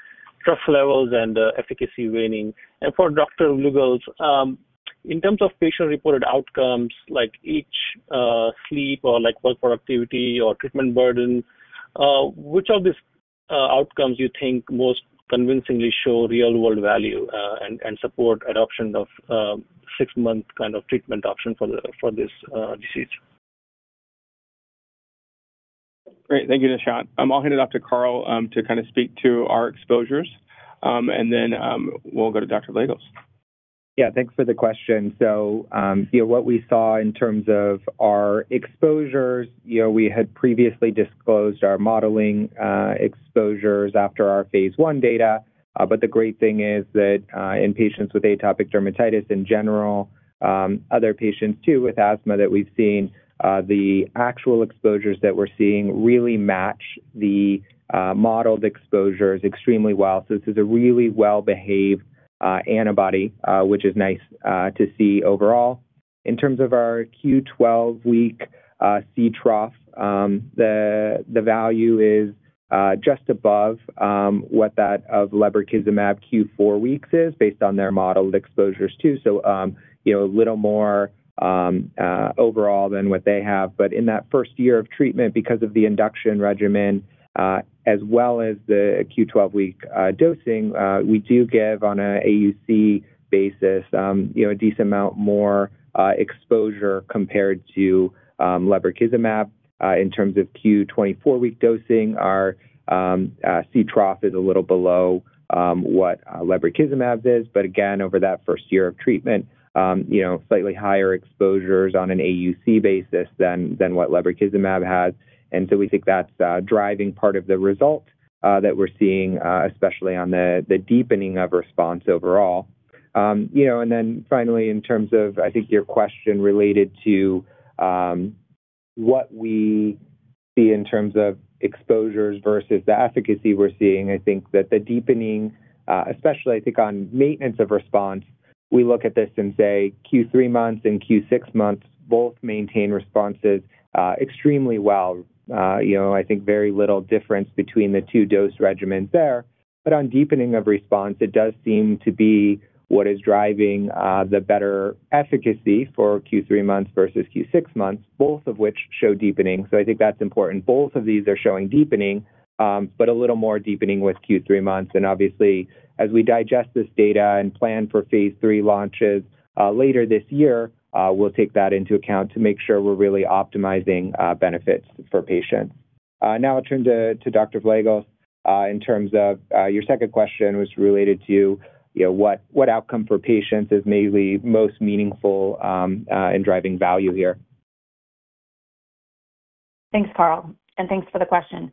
trough levels and efficacy waning. For Dr. Vleugels, in terms of patient-reported outcomes like itch, sleep, or like work productivity or treatment burden, which of these outcomes you think most convincingly show real-world value and support adoption of six-month kind of treatment option for this disease? Great. Thank you, Nishant. I'll hand it off to Carl, to kind of speak to our exposures. We'll go to Dr. Vleugels. Yeah. Thanks for the question. You know, what we saw in terms of our exposures, you know, we had previously disclosed our modeling exposures after our phase I data. But the great thing is that in patients with atopic dermatitis in general, other patients too with asthma that we've seen, the actual exposures that we're seeing really match the modeled exposures extremely well. This is a really well-behaved antibody, which is nice to see overall. In terms of our Q12-week [C trough], the value is just above what that of lebrikizumab Q4 weeks is based on their modeled exposures too. You know, a little more overall than what they have. In that first year of treatment, because of the induction regimen, as well as the Q12-week dosing, we do give on a AUC basis, you know, a decent amount more exposure compared to lebrikizumab. In terms of Q24-week dosing, our [C trough] is a little below what lebrikizumab is. Again, over that first year of treatment, you know, slightly higher exposures on an AUC basis than what lebrikizumab has. We think that's driving part of the result that we're seeing, especially on the deepening of response overall. You know, and then finally, in terms of, I think, your question related to what we see in terms of exposures versus the efficacy we're seeing. I think that the deepening, especially I think on maintenance of response, we look at this and say Q 3 months and Q6 months both maintain responses extremely well. You know, I think very little difference between the two dose regimens there. But on deepening of response, it does seem to be what is driving the better efficacy for Q3 months versus Q6 months, both of which show deepening. So I think that's important. Both of these are showing deepening, but a little more deepening with Q3 months. Obviously, as we digest this data and plan for phase III launches later this year, we'll take that into account to make sure we're really optimizing benefits for patients. Now I'll turn to Dr. Ruth Ann Vleugels, in terms of your second question was related to, you know, what outcome for patients is maybe most meaningful in driving value here. Thanks, Carl, and thanks for the question.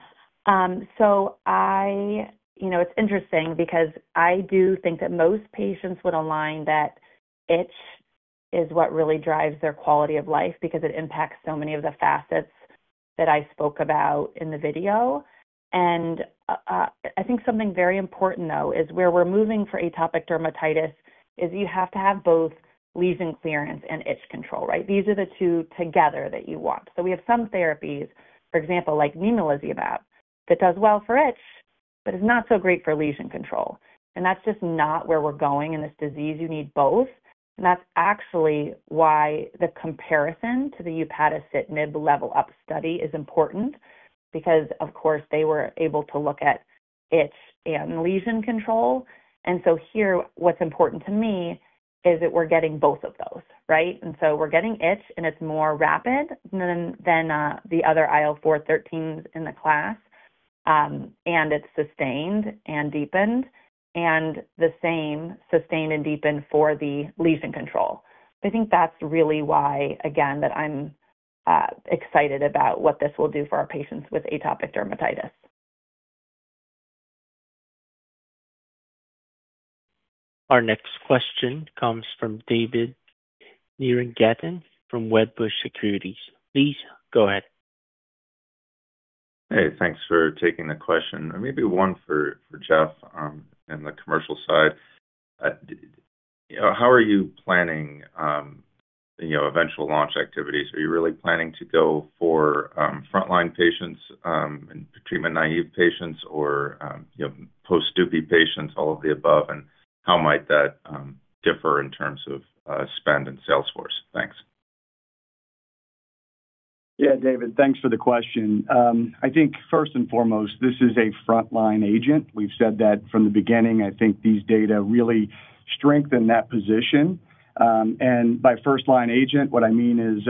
You know, it's interesting because I do think that most patients would align that itch is what really drives their quality of life because it impacts so many of the facets that I spoke about in the video. I think something very important, though, is where we're moving for atopic dermatitis is you have to have both lesion clearance and itch control, right? These are the two together that you want. We have some therapies, for example, like nemolizumab, that does well for itch but is not so great for lesion control. That's just not where we're going in this disease. You need both. That's actually why the comparison to the upadacitinib LEVEL UP study is important because, of course, they were able to look at itch and lesion control. here, what's important to me is that we're getting both of those, right? We're getting itch, and it's more rapid than the other IL-4, IL13 in the class, and it's sustained and deepened, and the same sustain and deepen for the lesion control. I think that's really why, again, that I'm excited about what this will do for our patients with atopic dermatitis. Our next question comes from David Nierengarten from Wedbush Securities. Please go ahead. Hey, thanks for taking the question. Maybe one for Jeff in the commercial side. You know, how are you planning eventual launch activities? Are you really planning to go for frontline patients and treatment-naive patients or post-Dupi patients, all of the above? How might that differ in terms of spend and sales force? Thanks. Yeah, David, thanks for the question. I think first and foremost, this is a frontline agent. We've said that from the beginning. I think these data really strengthen that position. And by first-line agent, what I mean is,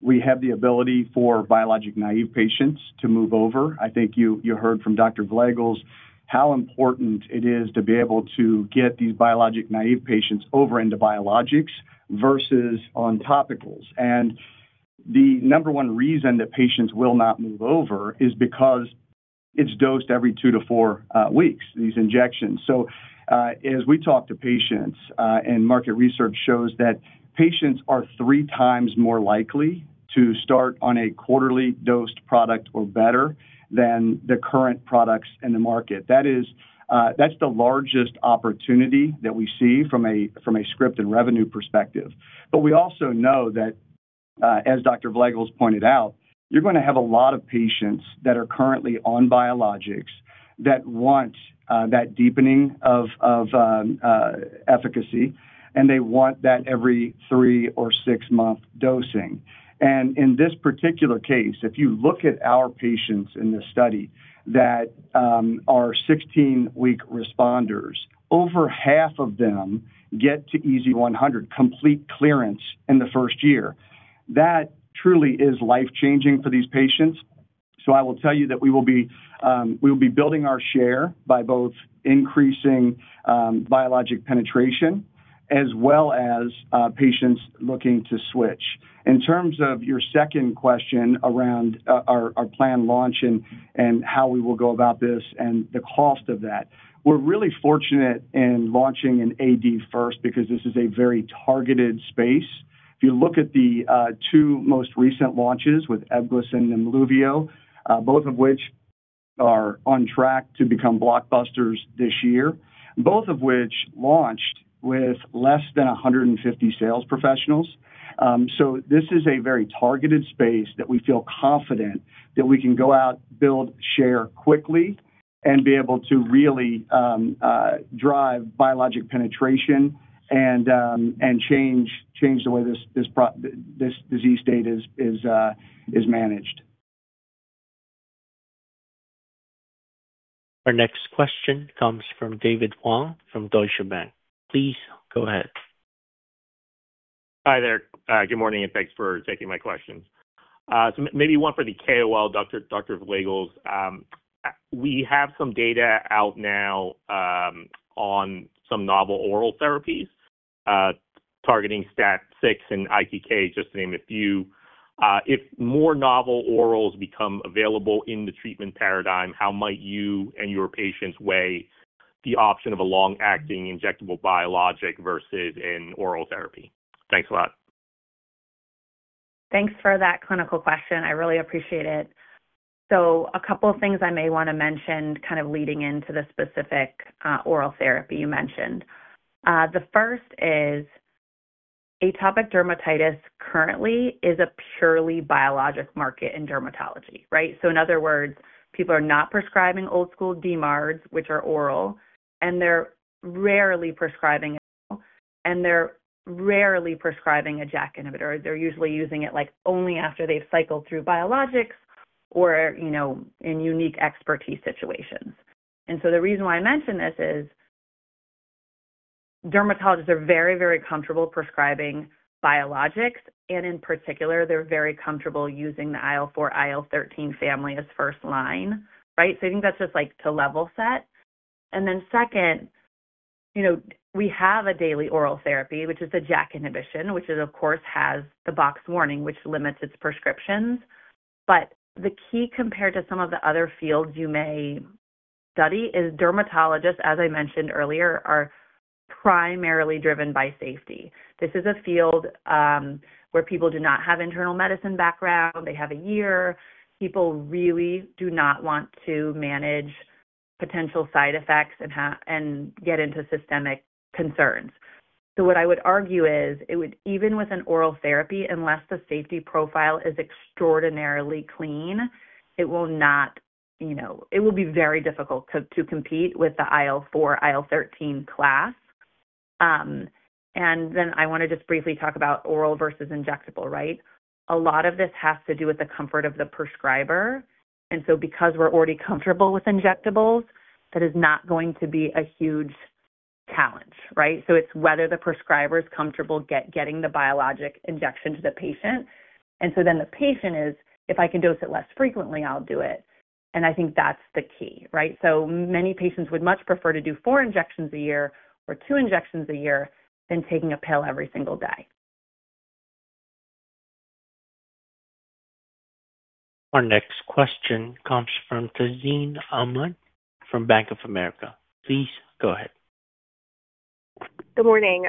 we have the ability for biologic-naive patients to move over. I think you heard from Dr. Vleugels how important it is to be able to get these biologic-naive patients over into biologics versus on topicals. The number one reason that patients will not move over is because it's dosed every two to four weeks, these injections. As we talk to patients, and market research shows that patients are 3 times more likely to start on a quarterly dosed product or better than the current products in the market. That's the largest opportunity that we see from a script and revenue perspective. We also know that, as Dr. Vleugels pointed out, you're gonna have a lot of patients that are currently on biologics that want that deepening of efficacy, and they want that every three- or six-month dosing. In this particular case, if you look at our patients in this study that are 16 week responders, over half of them get to EASI-100 complete clearance in the first year. That truly is life-changing for these patients. I will tell you that we will be building our share by both increasing biologic penetration as well as patients looking to switch. In terms of your second question around our planned launch and how we will go about this and the cost of that. We're really fortunate in launching an AD first because this is a very targeted space. If you look at the two most recent launches with EBGLYSS and NEMLUVIO, both of which are on track to become blockbusters this year, both of which launched with less than 150 sales professionals. This is a very targeted space that we feel confident that we can go out, build share quickly and be able to really drive biologic penetration and change the way this disease state is managed. Our next question comes from David Huang from Deutsche Bank. Please go ahead. Hi there. Good morning, and thanks for taking my questions. Maybe one for the KOL, Dr. Vleugels. We have some data out now, on some novel oral therapies, targeting STAT6 and ITK, just to name a few. If more novel orals become available in the treatment paradigm, how might you and your patients weigh the option of a long-acting injectable biologic versus an oral therapy? Thanks a lot. Thanks for that clinical question. I really appreciate it. A couple of things I may wanna mention kind of leading into the specific oral therapy you mentioned. The first is atopic dermatitis currently is a purely biologic market in dermatology, right? In other words, people are not prescribing old-school DMARDs, which are oral, and they're rarely prescribing oral, and they're rarely prescribing a JAK inhibitor. They're usually using it, like, only after they've cycled through biologics or, you know, in unique expertise situations. The reason why I mention this is dermatologists are very, very comfortable prescribing biologics, and in particular, they're very comfortable using the IL-4, IL-13 family as first line, right? I think that's just, like, to level set. Second, you know, we have a daily oral therapy, which is the JAK inhibition, which of course has the box warning, which limits its prescriptions. The key compared to some of the other fields you may study is dermatologists, as I mentioned earlier, are primarily driven by safety. This is a field where people do not have internal medicine background. They have a year. People really do not want to manage potential side effects and get into systemic concerns. What I would argue is it would even with an oral therapy, unless the safety profile is extraordinarily clean, it will not. You know, it will be very difficult to compete with the IL-4, IL-13 class. I wanna just briefly talk about oral versus injectable, right? A lot of this has to do with the comfort of the prescriber. Because we're already comfortable with injectables, that is not going to be a huge, right? It's whether the prescriber is comfortable getting the biologic injection to the patient. Then the patient is, "If I can dose it less frequently, I'll do it." I think that's the key, right? Many patients would much prefer to do 4 injections a year or 2 injections a year than taking a pill every single day. Our next question comes from Tazeen Ahmad from Bank of America. Please go ahead. Good morning.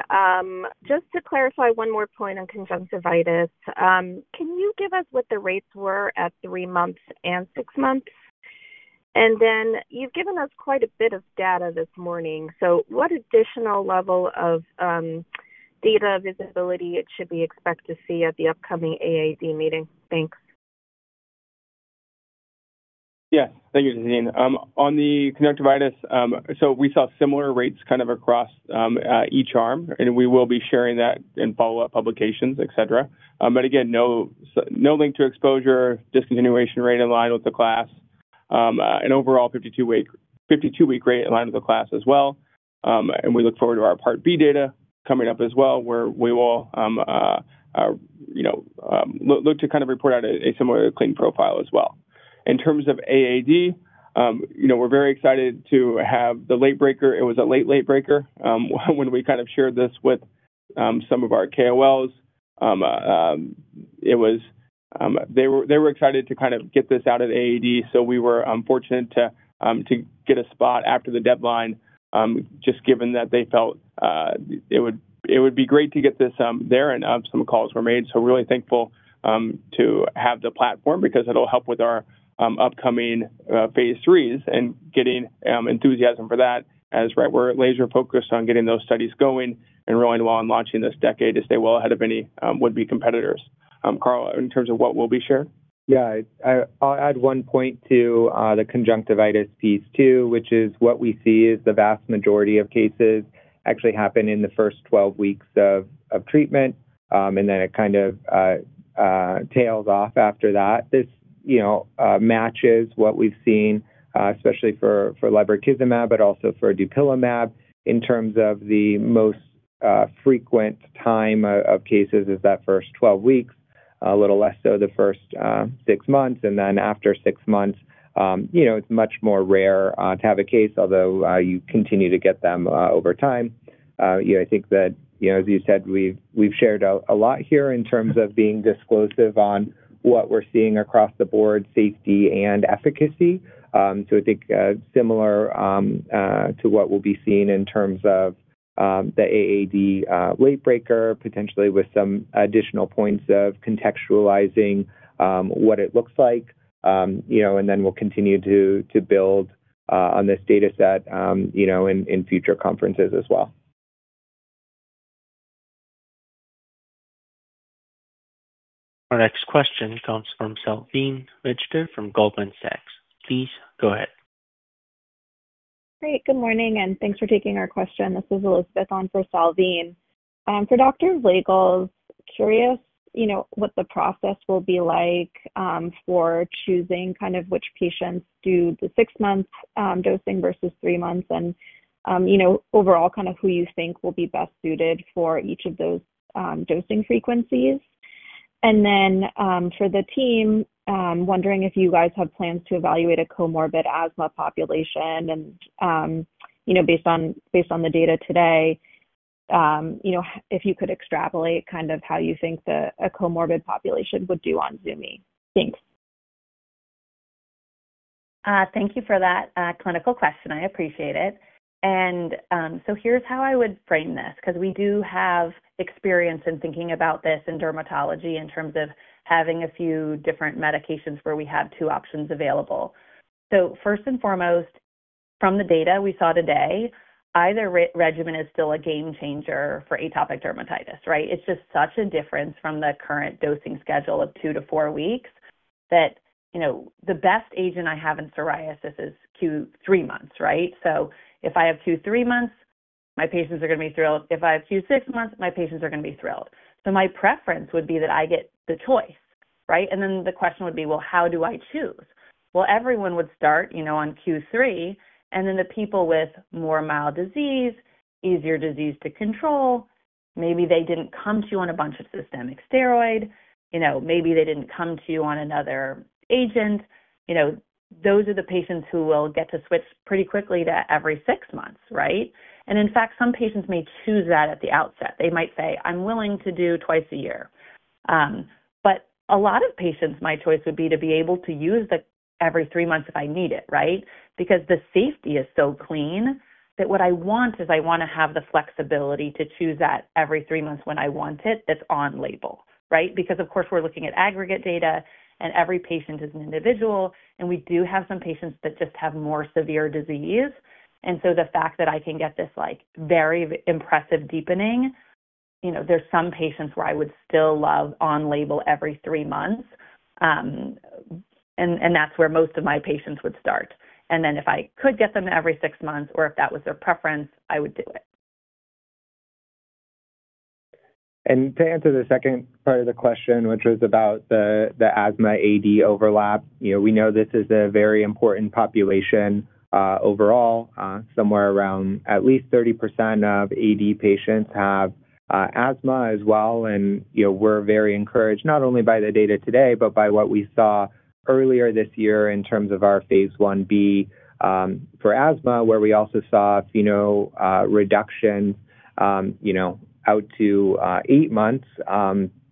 Just to clarify one more point on conjunctivitis. Can you give us what the rates were at three months and six months? You've given us quite a bit of data this morning, so what additional level of data visibility should we expect to see at the upcoming AAD meeting? Thanks. Yeah. Thank you, Tazeen. On the conjunctivitis, so we saw similar rates kind of across each arm, and we will be sharing that in follow-up publications, et cetera. Again, no link to exposure. Discontinuation rate in line with the class. An overall 52-week rate in line with the class as well. We look forward to our Part B data coming up as well, where we will, you know, look to kind of report out a similar clean profile as well. In terms of AAD, you know, we're very excited to have the late breaker. It was a late breaker when we kind of shared this with some of our KOLs. It was they were excited to kind of get this out of the AAD, so we were fortunate to get a spot after the deadline just given that they felt it would be great to get this there and some calls were made. Really thankful to have the platform because it'll help with our upcoming phase IIIs and getting enthusiasm for that. Right now we're laser focused on getting those studies going and rolling while launching this data to stay well ahead of any would-be competitors. Carl, in terms of what we'll be sharing. Yeah. I'll add one point to the conjunctivitis piece too, which is what we see is the vast majority of cases actually happen in the first 12 weeks of treatment. And then it kind of tails off after that. This, you know, matches what we've seen, especially for lebrikizumab, but also for dupilumab in terms of the most frequent time of cases is that first 12 weeks, a little less so the first six months, and then after six months, you know, it's much more rare to have a case, although you continue to get them over time. You know, I think that, you know, as you said, we've shared out a lot here in terms of being disclosive on what we're seeing across the board, safety and efficacy. I think similar to what we'll be seeing in terms of the AAD late breaker, potentially with some additional points of contextualizing what it looks like. You know, we'll continue to build on this data set, you know, in future conferences as well. Our next question comes from Salveen Richter from Goldman Sachs. Please go ahead. Great. Good morning, and thanks for taking our question. This is Elizabeth on for Salveen. For Dr. Vleugels, curious, you know, what the process will be like for choosing kind of which patients do the six month dosing versus three months and, you know, overall kind of who you think will be best suited for each of those dosing frequencies. Then, for the team, wondering if you guys have plans to evaluate a comorbid asthma population and, you know, based on the data today, you know, if you could extrapolate kind of how you think a comorbid population would do on zumi. Thanks. Thank you for that clinical question. I appreciate it. Here's how I would frame this, 'cause we do have experience in thinking about this in dermatology in terms of having a few different medications where we have two options available. First and foremost, from the data we saw today, either regimen is still a game changer for atopic dermatitis, right? It's just such a difference from the current dosing schedule of two to four weeks that, you know, the best agent I have in psoriasis is Q3 months, right? If I have Q3 months, my patients are gonna be thrilled. If I have Q6 months, my patients are gonna be thrilled. My preference would be that I get the choice, right? The question would be, well, how do I choose? Well, everyone would start, you know, on Q3, and then the people with more mild disease, easier disease to control, maybe they didn't come to you on a bunch of systemic steroid, you know, maybe they didn't come to you on another agent. You know, those are the patients who will get to switch pretty quickly to every six months, right? And in fact, some patients may choose that at the outset. They might say, "I'm willing to do twice a year." But a lot of patients, my choice would be to be able to use the every three months if I need it, right? Because the safety is so clean that what I want is I wanna have the flexibility to choose that every three months when I want it, that's on label, right? Because of course, we're looking at aggregate data, and every patient is an individual, and we do have some patients that just have more severe disease. The fact that I can get this, like, very impressive deepening, you know, there's some patients where I would still love on label every three months. That's where most of my patients would start. If I could get them every six months or if that was their preference, I would do it. To answer the second part of the question, which was about the asthma AD overlap. You know, we know this is a very important population overall. Somewhere around at least 30% of AD patients have asthma as well. You know, we're very encouraged not only by the data today, but by what we saw earlier this year in terms of our phase Ib for asthma, where we also saw FeNO reduction, you know, out to eight months.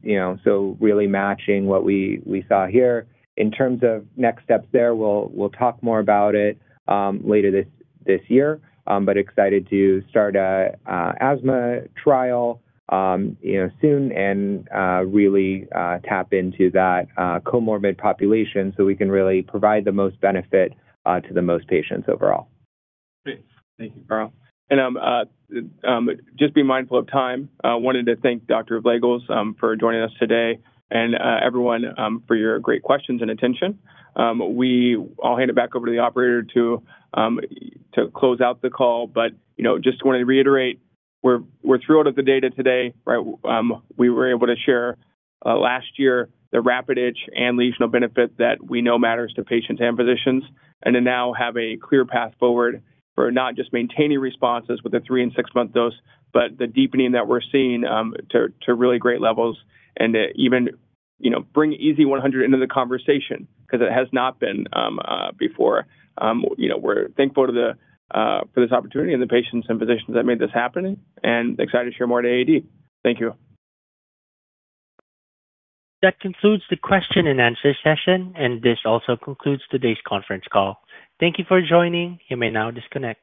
You know, so really matching what we saw here. In terms of next steps there, we'll talk more about it later this year. excited to start a asthma trial, you know, soon and really tap into that comorbid population so we can really provide the most benefit to the most patients overall. Great. Thank you, Carl. Just be mindful of time. I wanted to thank Dr. Vleugels for joining us today and everyone for your great questions and attention. I'll hand it back over to the operator to close out the call. You know, just wanna reiterate, we're thrilled with the data today, right? We were able to share last year the rapid itch and lesional benefit that we know matters to patients and physicians. To now have a clear path forward for not just maintaining responses with the three and six month dose, but the deepening that we're seeing to really great levels and to even, you know, bring EASI-100 into the conversation 'cause it has not been before. You know, we're thankful for this opportunity and the patients and physicians that made this happen and excited to share more at AAD. Thank you. That concludes the question and answer session, and this also concludes today's conference call. Thank you for joining. You may now disconnect.